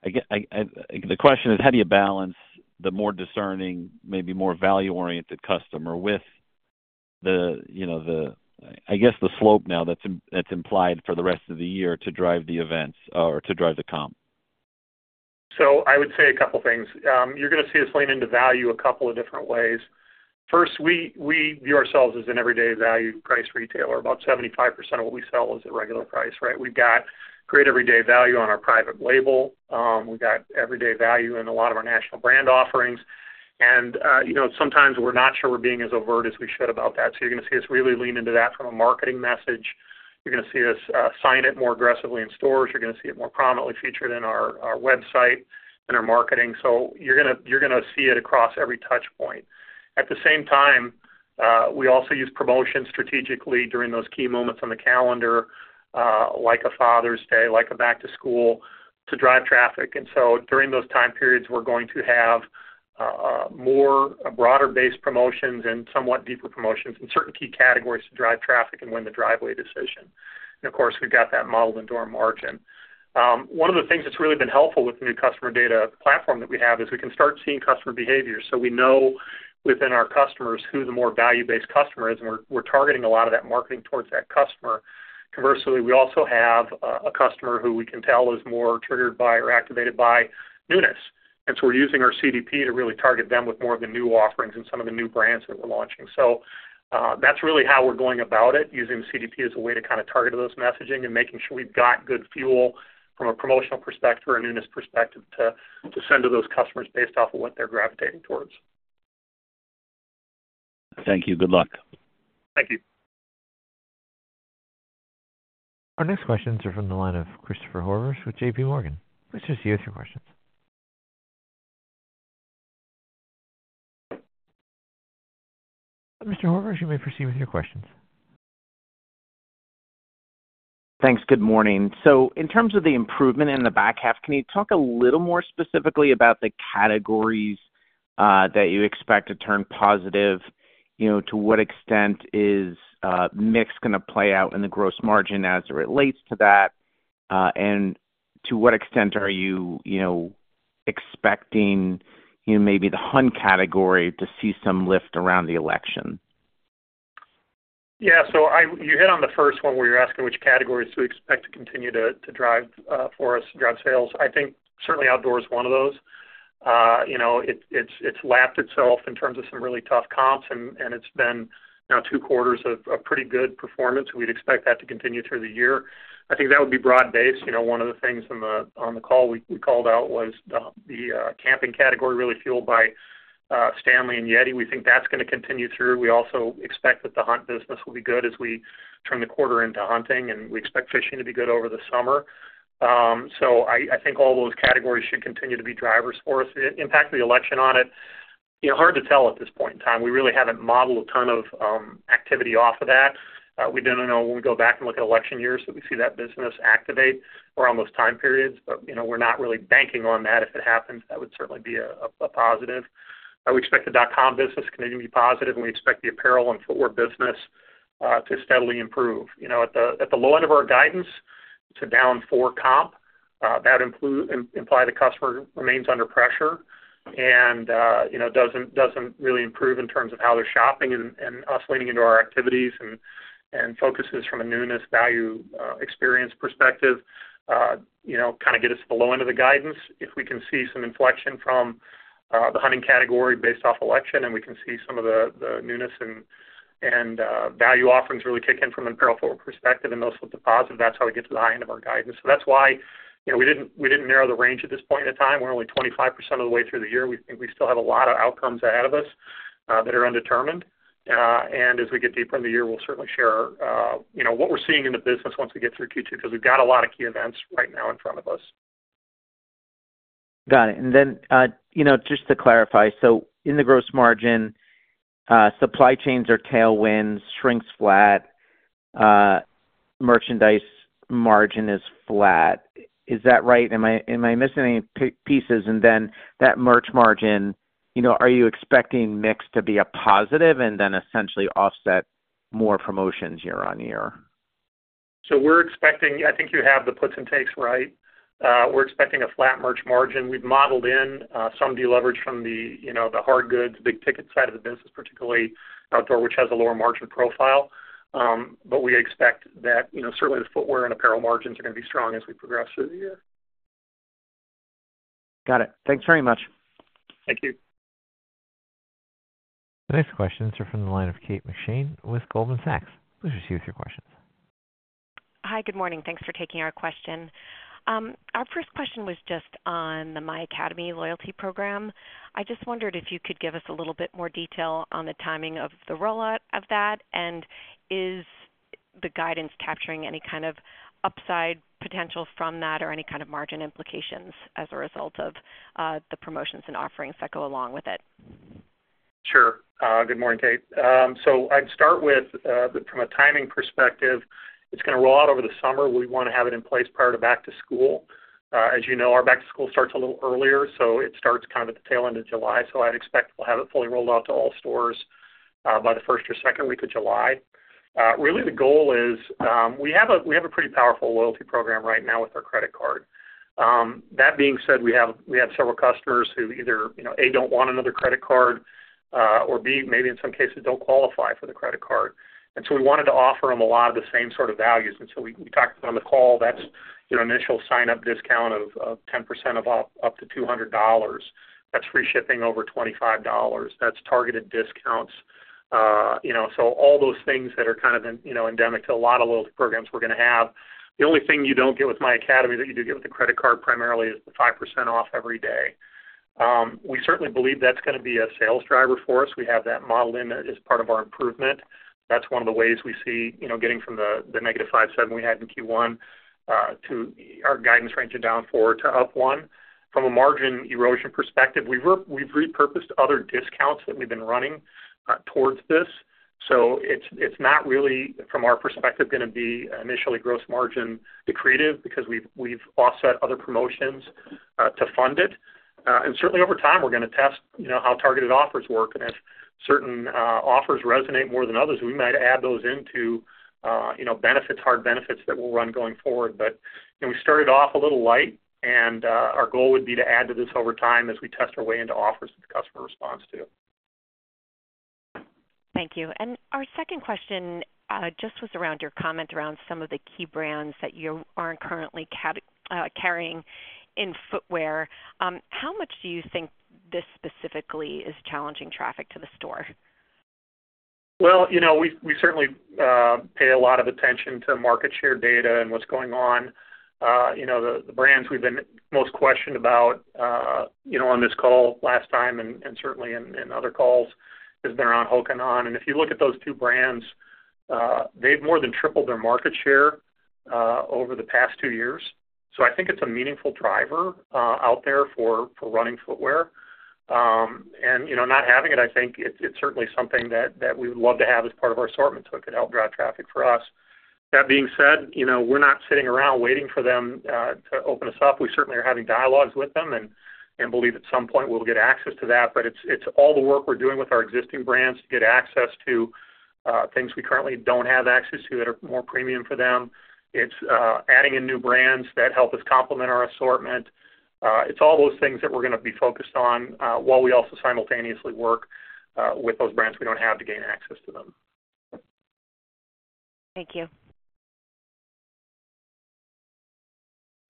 I... The question is, how do you balance the more discerning, maybe more value-oriented customer with the, you know, the, I guess, the slope now that's implied for the rest of the year to drive the events or to drive the comp? So I would say a couple things. You're gonna see us lean into value a couple of different ways. First, we view ourselves as an everyday value price retailer. About 75% of what we sell is at regular price, right? We've got great everyday value on our private label. We've got everyday value in a lot of our national brand offerings, and you know, sometimes we're not sure we're being as overt as we should about that. So you're gonna see us really lean into that from a marketing message. You're gonna see us sign it more aggressively in stores. You're gonna see it more prominently featured in our website and our marketing. So you're gonna see it across every touch point. At the same time, we also use promotions strategically during those key moments on the calendar, like a Father's Day, like a back to school, to drive traffic. And so during those time periods, we're going to have more broader-based promotions and somewhat deeper promotions in certain key categories to drive traffic and win the driveway decision. And of course, we've got that modeled into our margin. One of the things that's really been helpful with the new customer data platform that we have, is we can start seeing customer behavior. So we know within our customers who the more value-based customer is, and we're, we're targeting a lot of that marketing towards that customer. Conversely, we also have a customer who we can tell is more triggered by or activated by newness, and so we're using our CDP to really target them with more of the new offerings and some of the new brands that we're launching. So, that's really how we're going about it, using the CDP as a way to kind of target those messaging and making sure we've got good fuel from a promotional perspective or a newness perspective to send to those customers based off of what they're gravitating towards. Thank you. Good luck. Thank you. Our next questions are from the line of Christopher Horvers with JP Morgan. Please just give your questions. Mr. Horvers, you may proceed with your questions. Thanks. Good morning. So in terms of the improvement in the back half, can you talk a little more specifically about the categories that you expect to turn positive? You know, to what extent is mix gonna play out in the gross margin as it relates to that? And to what extent are you expecting maybe the hunt category to see some lift around the election? Yeah, so I—you hit on the first one, where you're asking which categories do we expect to continue to drive, for us, drive sales. I think certainly outdoor is one of those. You know, it's lapped itself in terms of some really tough comps, and it's been now two quarters of pretty good performance. We'd expect that to continue through the year. I think that would be broad-based. You know, one of the things on the call we called out was the camping category, really fueled by Stanley and YETI. We think that's gonna continue through. We also expect that the hunt business will be good as we turn the quarter into hunting, and we expect fishing to be good over the summer. So I think all those categories should continue to be drivers for us. The impact of the election on it, you know, hard to tell at this point in time. We really haven't modeled a ton of activity off of that. We do know when we go back and look at election years, that we see that business activate around those time periods, but, you know, we're not really banking on that. If it happens, that would certainly be a positive. We expect the dotcom business to continue to be positive, and we expect the apparel and footwear business to steadily improve. You know, at the low end of our guidance-... to down 4 comp, that imply the customer remains under pressure and, you know, doesn't really improve in terms of how they're shopping and us leaning into our activities and focuses from a newness value, experience perspective, you know, kind of get us the low end of the guidance. If we can see some inflection from the hunting category based off election, and we can see some of the newness and value offerings really kick in from an apparel perspective and those with deposit, that's how we get to the high end of our guidance. So that's why, you know, we didn't narrow the range at this point in time. We're only 25% of the way through the year. We think we still have a lot of outcomes ahead of us that are undetermined. As we get deeper in the year, we'll certainly share, you know, what we're seeing in the business once we get through Q2, because we've got a lot of key events right now in front of us. Got it. And then, you know, just to clarify, so in the gross margin, supply chains are tailwinds, shrinks flat, merchandise margin is flat. Is that right? Am I missing any pieces? And then that merch margin, you know, are you expecting mix to be a positive and then essentially offset more promotions year-on-year? So we're expecting... I think you have the puts and takes right. We're expecting a flat merch margin. We've modeled in some deleverage from the, you know, the hard goods, big ticket side of the business, particularly outdoor, which has a lower margin profile. But we expect that, you know, certainly the footwear and apparel margins are going to be strong as we progress through the year. Got it. Thanks very much. Thank you. The next questions are from the line of Kate McShane with Goldman Sachs. Please proceed with your questions. Hi, good morning. Thanks for taking our question. Our first question was just on the myAcademy loyalty program. I just wondered if you could give us a little bit more detail on the timing of the rollout of that, and is the guidance capturing any kind of upside potential from that or any kind of margin implications as a result of, the promotions and offerings that go along with it? Sure. Good morning, Kate. So I'd start with, from a timing perspective, it's gonna roll out over the summer. We want to have it in place prior to back to school. As you know, our back to school starts a little earlier, so it starts kind of at the tail end of July. So I'd expect we'll have it fully rolled out to all stores, by the first or second week of July. Really, the goal is, we have a, we have a pretty powerful loyalty program right now with our credit card. That being said, we have, we have several customers who either, you know, A, don't want another credit card, or B, maybe in some cases, don't qualify for the credit card. And so we wanted to offer them a lot of the same sort of values. And so we talked on the call, that's, you know, initial sign-up discount of 10% off up to $200. That's free shipping over $25. That's targeted discounts. You know, so all those things that are kind of, you know, endemic to a lot of loyalty programs we're gonna have. The only thing you don't get with myAcademy that you do get with the credit card primarily is the 5% off every day. We certainly believe that's gonna be a sales driver for us. We have that modeled in as part of our improvement. That's one of the ways we see, you know, getting from the negative 5.7% we had in Q1 to our guidance range of down 4% to up 1%. From a margin erosion perspective, we've repurposed other discounts that we've been running towards this. So it's not really, from our perspective, gonna be initially gross margin accretive because we've offset other promotions to fund it. And certainly, over time, we're gonna test, you know, how targeted offers work. And if certain offers resonate more than others, we might add those into, you know, benefits, hard benefits that we'll run going forward. But, you know, we started off a little light, and our goal would be to add to this over time as we test our way into offers that the customer responds to. Thank you. Our second question just was around your comment around some of the key brands that you aren't currently carrying in footwear. How much do you think this specifically is challenging traffic to the store? Well, you know, we, we certainly pay a lot of attention to market share data and what's going on. You know, the, the brands we've been most questioned about, you know, on this call last time and, and certainly in, in other calls, has been around Hoka One One. And if you look at those two brands, they've more than tripled their market share, over the past two years. So I think it's a meaningful driver, out there for, for running footwear. And, you know, not having it, I think it's, it's certainly something that, that we would love to have as part of our assortment, so it could help drive traffic for us. That being said, you know, we're not sitting around waiting for them, to open us up. We certainly are having dialogues with them and believe at some point we'll get access to that. But it's all the work we're doing with our existing brands to get access to things we currently don't have access to that are more premium for them. It's adding in new brands that help us complement our assortment. It's all those things that we're gonna be focused on while we also simultaneously work with those brands we don't have to gain access to them. Thank you.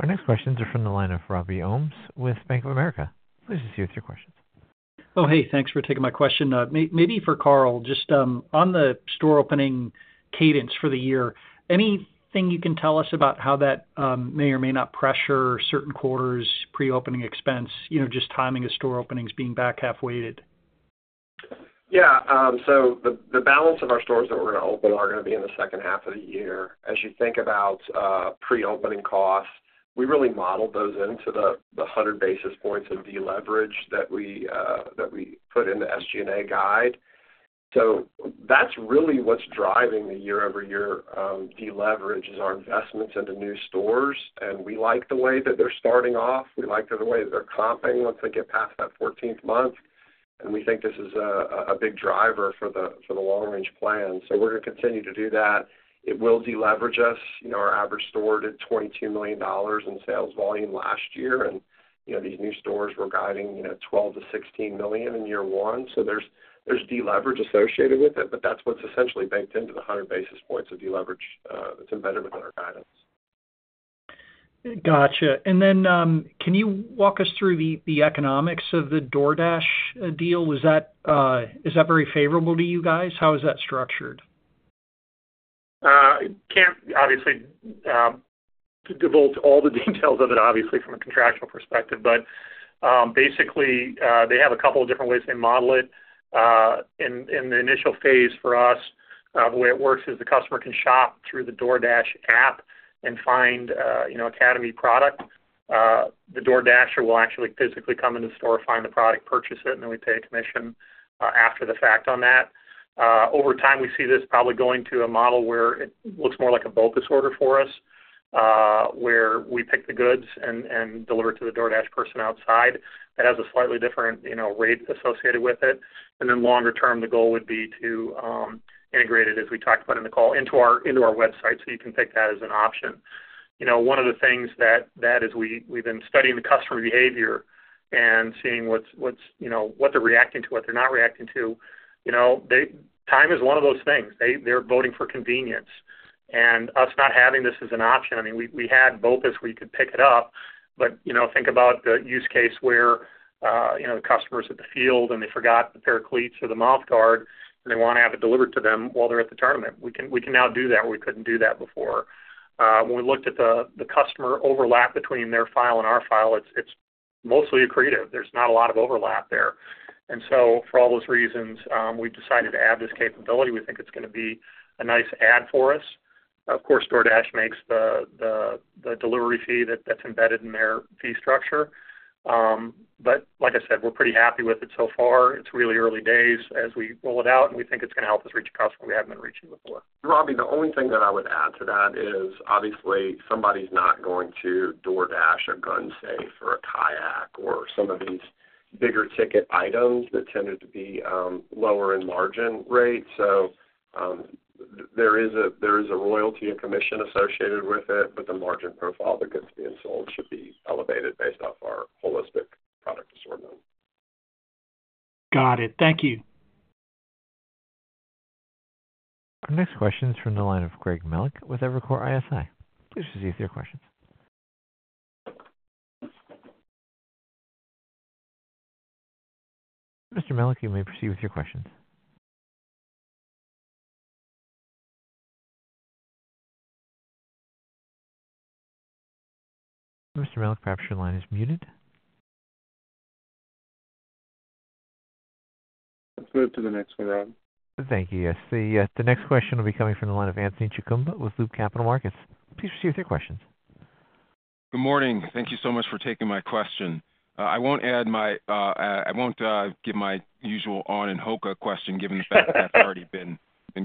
Our next questions are from the line of Robbie Ohmes with Bank of America. Please proceed with your questions. Oh, hey, thanks for taking my question. Maybe for Carl, just on the store opening cadence for the year, anything you can tell us about how that may or may not pressure certain quarters, pre-opening expense, you know, just timing of store openings being back half-weighted? Yeah, so the balance of our stores that we're gonna open are gonna be in the second half of the year. As you think about pre-opening costs, we really modeled those into the 100 basis points of deleverage that we put in the SG&A guide. So that's really what's driving the year-over-year deleverage, is our investments into new stores, and we like the way that they're starting off. We like the way that they're comping once they get past that fourteenth month.... and we think this is a big driver for the long-range plan. So we're gonna continue to do that. It will deleverage us. You know, our average store did $22 million in sales volume last year, and, you know, these new stores were guiding, you know, $12 million-$16 million in year one. So there's deleverage associated with it, but that's what's essentially baked into the 100 basis points of deleverage that's embedded within our guidance. Gotcha. And then, can you walk us through the economics of the DoorDash deal? Was that, is that very favorable to you guys? How is that structured? I can't obviously divulge all the details of it, obviously, from a contractual perspective. But, basically, they have a couple of different ways they model it. In the initial phase for us, the way it works is the customer can shop through the DoorDash app and find, you know, Academy product. The DoorDasher will actually physically come into the store, find the product, purchase it, and then we pay a commission after the fact on that. Over time, we see this probably going to a model where it looks more like a BOPUS order for us, where we pick the goods and deliver it to the DoorDash person outside. That has a slightly different, you know, rate associated with it. And then longer term, the goal would be to integrate it, as we talked about in the call, into our website, so you can pick that as an option. You know, one of the things that is we’ve been studying the customer behavior and seeing what’s, you know, what they’re reacting to, what they’re not reacting to. You know, they time is one of those things. They’re voting for convenience. And us not having this as an option, I mean, we had BOPUS, we could pick it up, but, you know, think about the use case where, you know, the customer’s at the field, and they forgot the pair of cleats or the mouth guard, and they wanna have it delivered to them while they’re at the tournament. We can now do that, we couldn’t do that before. When we looked at the customer overlap between their file and our file, it's mostly accretive. There's not a lot of overlap there. And so for all those reasons, we decided to add this capability. We think it's gonna be a nice add for us. Of course, DoorDash makes the delivery fee that's embedded in their fee structure. But like I said, we're pretty happy with it so far. It's really early days as we roll it out, and we think it's gonna help us reach a customer we haven't been reaching before. Robbie, the only thing that I would add to that is, obviously, somebody's not going to DoorDash a gun safe or a kayak or some of these bigger ticket items that tended to be lower in margin rate. So, there is a royalty and commission associated with it, but the margin profile of the goods being sold should be elevated based off our holistic product assortment. Got it. Thank you. Our next question is from the line of Greg Melich with Evercore ISI. Please proceed with your questions. Mr. Melich, you may proceed with your questions. Mr. Melich, perhaps your line is muted. Let's move to the next one, Rob. Thank you. Yes, the next question will be coming from the line of Anthony Chukumba with Loop Capital Markets. Please proceed with your questions. Good morning. Thank you so much for taking my question. I won't give my usual On and HOKA question, given the fact that that's already been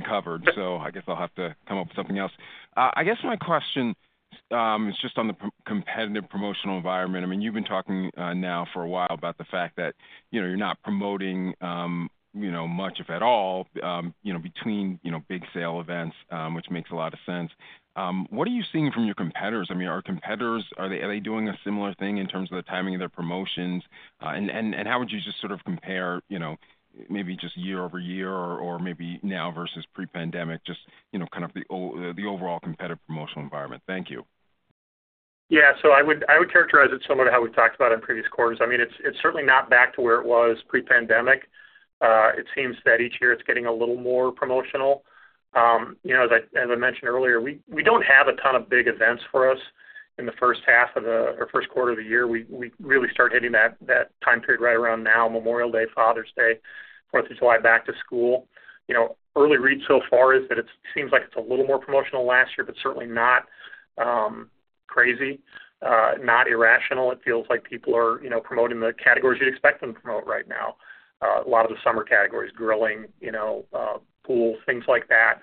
covered. So I guess I'll have to come up with something else. I guess my question is just on the competitive promotional environment. I mean, you've been talking now for a while about the fact that, you know, you're not promoting, you know, much, if at all, you know, between, you know, big sale events, which makes a lot of sense. What are you seeing from your competitors? I mean, are competitors doing a similar thing in terms of the timing of their promotions? How would you just sort of compare, you know, maybe just year over year or maybe now versus pre-pandemic, just, you know, kind of the overall competitive promotional environment? Thank you. Yeah. So I would, I would characterize it similar to how we've talked about in previous quarters. I mean, it's, it's certainly not back to where it was pre-pandemic. It seems that each year it's getting a little more promotional. You know, as I, as I mentioned earlier, we, we don't have a ton of big events for us in the first half of the... or Q1 of the year. We, we really start hitting that, that time period right around now, Memorial Day, Father's Day, Fourth of July, back to school. You know, early read so far is that it's seems like it's a little more promotional than last year, but certainly not crazy, not irrational. It feels like people are, you know, promoting the categories you'd expect them to promote right now. A lot of the summer categories, grilling, you know, pool, things like that.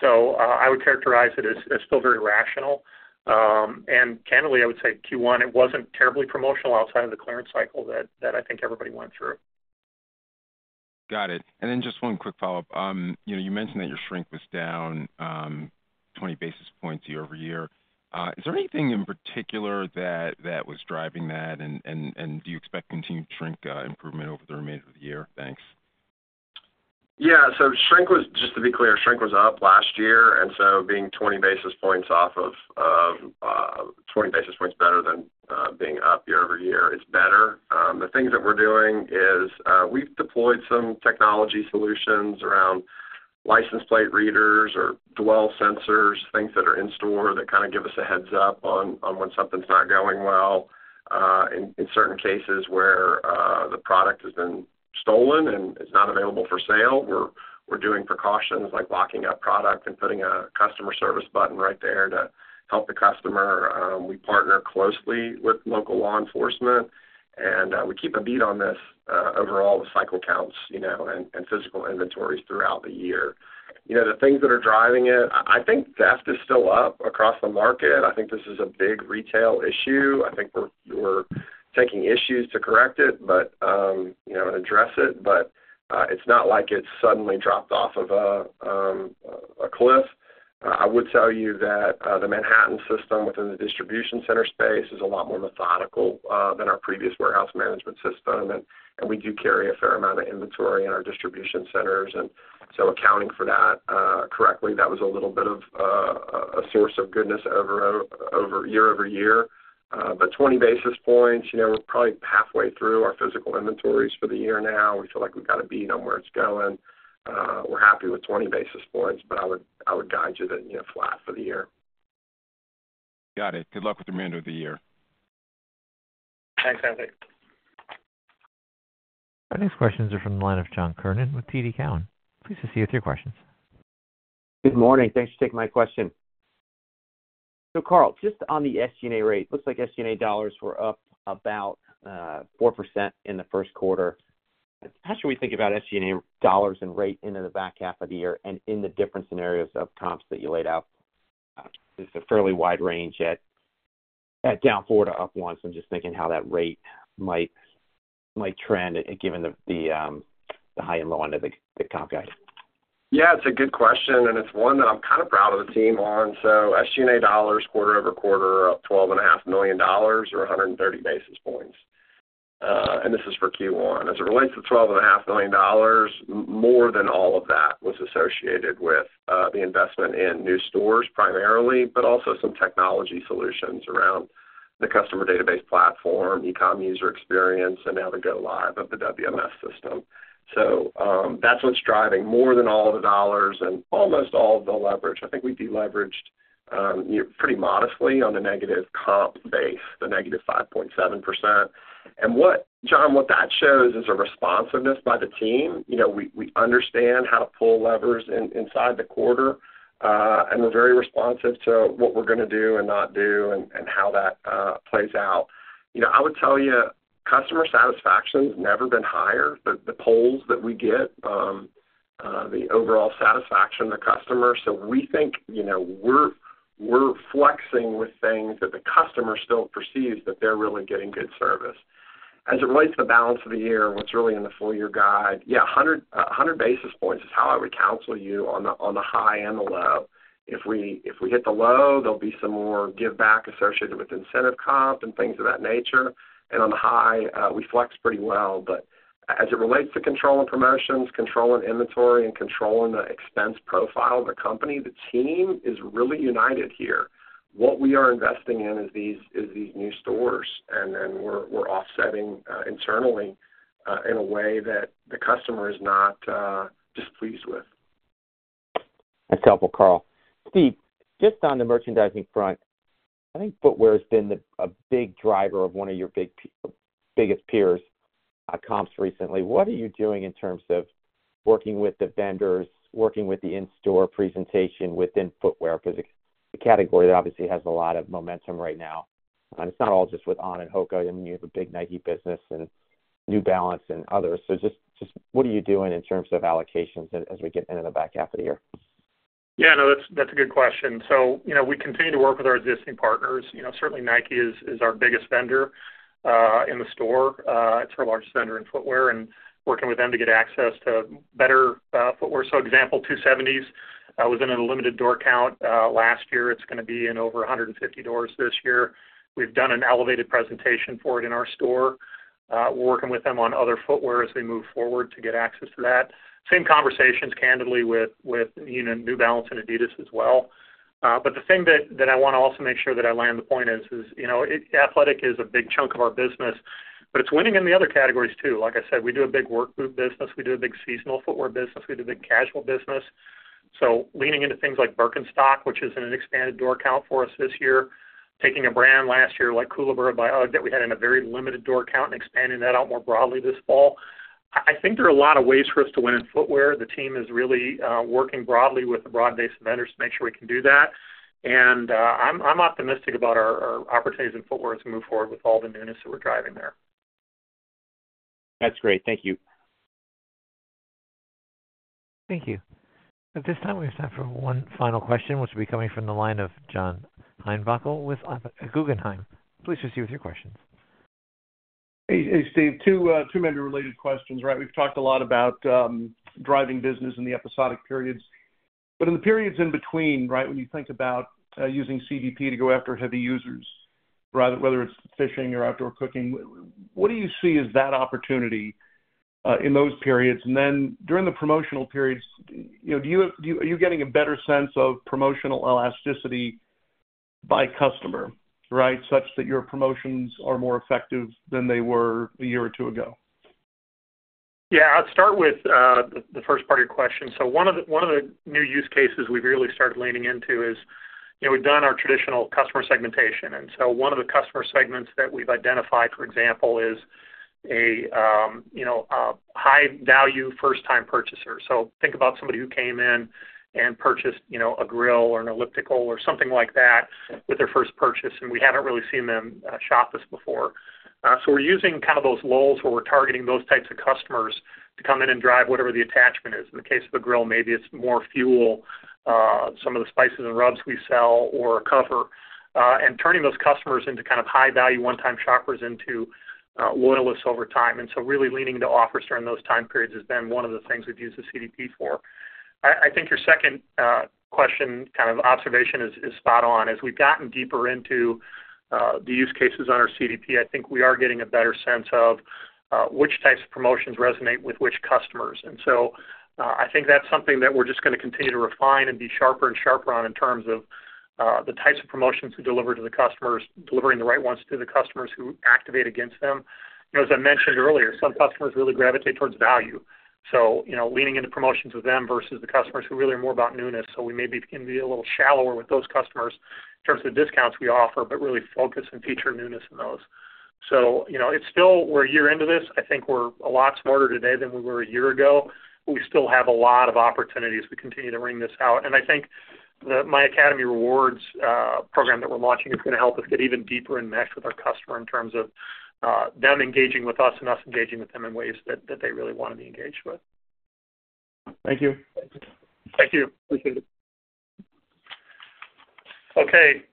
So, I would characterize it as still very rational. And candidly, I would say Q1, it wasn't terribly promotional outside of the clearance cycle that I think everybody went through. Got it. And then just one quick follow-up. You know, you mentioned that your shrink was down 20 basis points year-over-year. Is there anything in particular that was driving that? And do you expect continued shrink improvement over the remainder of the year? Thanks. Yeah. So shrink was—just to be clear, shrink was up last year, and so being 20 basis points off of 20 basis points better than being up year over year is better. The things that we're doing is, we've deployed some technology solutions around license plate readers or dwell sensors, things that are in store that kind of give us a heads up on when something's not going well. In certain cases where the product has been stolen and is not available for sale, we're doing precautions like locking up product and putting a customer service button right there to help the customer. We partner closely with local law enforcement, and we keep a bead on this, overall, the cycle counts, you know, and physical inventories throughout the year. You know, the things that are driving it. I think theft is still up across the market. I think this is a big retail issue. I think we're taking measures to correct it, but you know, and address it, but it's not like it suddenly dropped off of a cliff. I would tell you that the Manhattan system within the distribution center space is a lot more methodical than our previous warehouse management system, and we do carry a fair amount of inventory in our distribution centers, and so accounting for that correctly, that was a little bit of a source of goodness over year-over-year. But 20 basis points, you know, we're probably halfway through our physical inventories for the year now. We feel like we've got a bead on where it's going. We're happy with 20 basis points, but I would guide you to, you know, flat for the year. Got it. Good luck with the remainder of the year. Thanks, Anthony. Our next questions are from the line of John Kernan with TD Cowen. Please proceed with your questions. Good morning. Thanks for taking my question. So Carl, just on the SG&A rate, looks like SG&A dollars were up about 4% in the Q1. How should we think about SG&A dollars and rate into the back half of the year and in the different scenarios of comps that you laid out? It's a fairly wide range at down 4% to up 1%, so I'm just thinking how that rate might trend, given the high and low end of the comp guide. Yeah, it's a good question, and it's one that I'm kind of proud of the team on. So SG&A dollars, quarter-over-quarter, are up $12.5 million, or 130 basis points. And this is for Q1. As it relates to $12.5 million, more than all of that was associated with the investment in new stores primarily, but also some technology solutions around the customer database platform, e-com user experience, and now the go live of the WMS system. So, that's what's driving more than all of the dollars and almost all of the leverage. I think we deleveraged pretty modestly on a negative comp base, the -5.7%. And what-- John, what that shows is a responsiveness by the team. You know, we, we understand how to pull levers inside the quarter, and we're very responsive to what we're gonna do and not do and, and how that plays out. You know, I would tell you, customer satisfaction's never been higher. The, the polls that we get, the overall satisfaction of the customer. So we think, you know, we're, we're flexing with things that the customer still perceives that they're really getting good service. As it relates to the balance of the year and what's really in the full year guide, yeah, 100, 100 basis points is how I would counsel you on the, on the high and the low. If we, if we hit the low, there'll be some more give back associated with incentive comp and things of that nature. And on the high, we flex pretty well. But as it relates to controlling promotions, controlling inventory, and controlling the expense profile of the company, the team is really united here. What we are investing in is these new stores, and then we're offsetting internally in a way that the customer is not displeased with. That's helpful, Carl. Steve, just on the merchandising front, I think footwear has been a big driver of one of your biggest peers' comps recently. What are you doing in terms of working with the vendors, working with the in-store presentation within footwear? Because the category obviously has a lot of momentum right now, and it's not all just with On and HOKA. I mean, you have a big Nike business and New Balance and others. So just what are you doing in terms of allocations as we get into the back half of the year? Yeah, no, that's, that's a good question. So, you know, we continue to work with our existing partners. You know, certainly Nike is, is our biggest vendor in the store, it's our largest vendor in footwear, and working with them to get access to better footwear. So example, 270s was in a limited door count last year. It's gonna be in over 150 doors this year. We've done an elevated presentation for it in our store. We're working with them on other footwear as we move forward to get access to that. Same conversations candidly, with, with, you know, New Balance and Adidas as well. But the thing that I want to also make sure that I land the point is, you know, athletic is a big chunk of our business, but it's winning in the other categories, too. Like I said, we do a big work boot business, we do a big seasonal footwear business, we do a big casual business. So leaning into things like Birkenstock, which is in an expanded door count for us this year, taking a brand last year, like Koolaburra by UGG, that we had in a very limited door count and expanding that out more broadly this fall. I think there are a lot of ways for us to win in footwear. The team is really working broadly with a broad base of vendors to make sure we can do that. I'm optimistic about our opportunities in footwear as we move forward with all the newness that we're driving there. That's great. Thank you. Thank you. At this time, we have time for one final question, which will be coming from the line of John Heinbockel with Guggenheim. Please proceed with your questions. Hey, hey, Steve. Two, two merger-related questions, right? We've talked a lot about driving business in the episodic periods, but in the periods in between, right, when you think about using CDP to go after heavy users, right, whether it's fishing or outdoor cooking, what do you see as that opportunity in those periods? And then during the promotional periods, you know, are you getting a better sense of promotional elasticity by customer, right? Such that your promotions are more effective than they were a year or two ago. Yeah, I'd start with the first part of your question. So one of the new use cases we've really started leaning into is, you know, we've done our traditional customer segmentation. And so one of the customer segments that we've identified, for example, is a, you know, a high-value, first-time purchaser. So think about somebody who came in and purchased, you know, a grill or an elliptical or something like that with their first purchase, and we haven't really seen them shop this before. So we're using kind of those lulls where we're targeting those types of customers to come in and drive whatever the attachment is. In the case of a grill, maybe it's more fuel, some of the spices and rubs we sell or a cover, and turning those customers into kind of high-value, one-time shoppers into loyalists over time. And so really leaning into offers during those time periods has been one of the things we've used the CDP for. I think your second question, kind of observation is spot on. As we've gotten deeper into the use cases on our CDP, I think we are getting a better sense of which types of promotions resonate with which customers. And so I think that's something that we're just gonna continue to refine and be sharper and sharper on in terms of the types of promotions we deliver to the customers, delivering the right ones to the customers who activate against them. You know, as I mentioned earlier, some customers really gravitate towards value, so, you know, leaning into promotions with them versus the customers who really are more about newness. So we maybe can be a little shallower with those customers in terms of the discounts we offer, but really focus and feature newness in those. So, you know, it's still-- we're a year into this. I think we're a lot smarter today than we were a year ago, but we still have a lot of opportunities to continue to wring this out. And I think the-- myAcademy Rewards program that we're launching is gonna help us get even deeper in mesh with our customer in terms of, them engaging with us and us engaging with them in ways that, that they really wanna be engaged with. Thank you. Thank you. Appreciate it. Okay,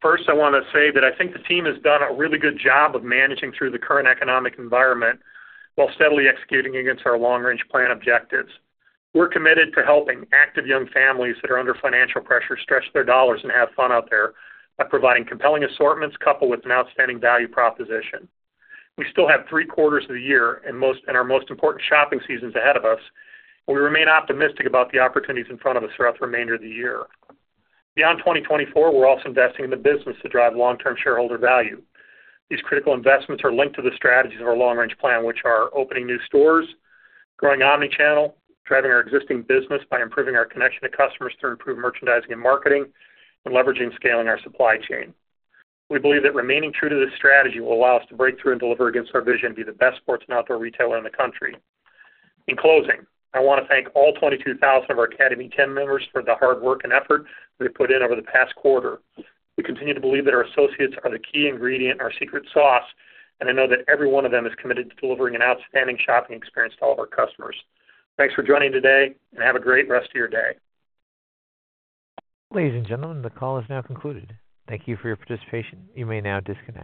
first, I wanna say that I think the team has done a really good job of managing through the current economic environment while steadily executing against our long-range plan objectives. We're committed to helping active young families that are under financial pressure stretch their dollars and have fun out there by providing compelling assortments, coupled with an outstanding value proposition. We still have three quarters of the year and our most important shopping seasons ahead of us, but we remain optimistic about the opportunities in front of us throughout the remainder of the year. Beyond 2024, we're also investing in the business to drive long-term shareholder value. These critical investments are linked to the strategies of our Long-Range Plan, which are opening new stores, growing omnichannel, driving our existing business by improving our connection to customers through improved merchandising and marketing, and leveraging scale in our supply chain. We believe that remaining true to this strategy will allow us to break through and deliver against our vision to be the best sports and outdoor retailer in the country. In closing, I wanna thank all 22,000 of our Academy team members for the hard work and effort they put in over the past quarter. We continue to believe that our associates are the key ingredient in our secret sauce, and I know that every one of them is committed to delivering an outstanding shopping experience to all of our customers. Thanks for joining today, and have a great rest of your day. Ladies and gentlemen, the call is now concluded. Thank you for your participation. You may now disconnect.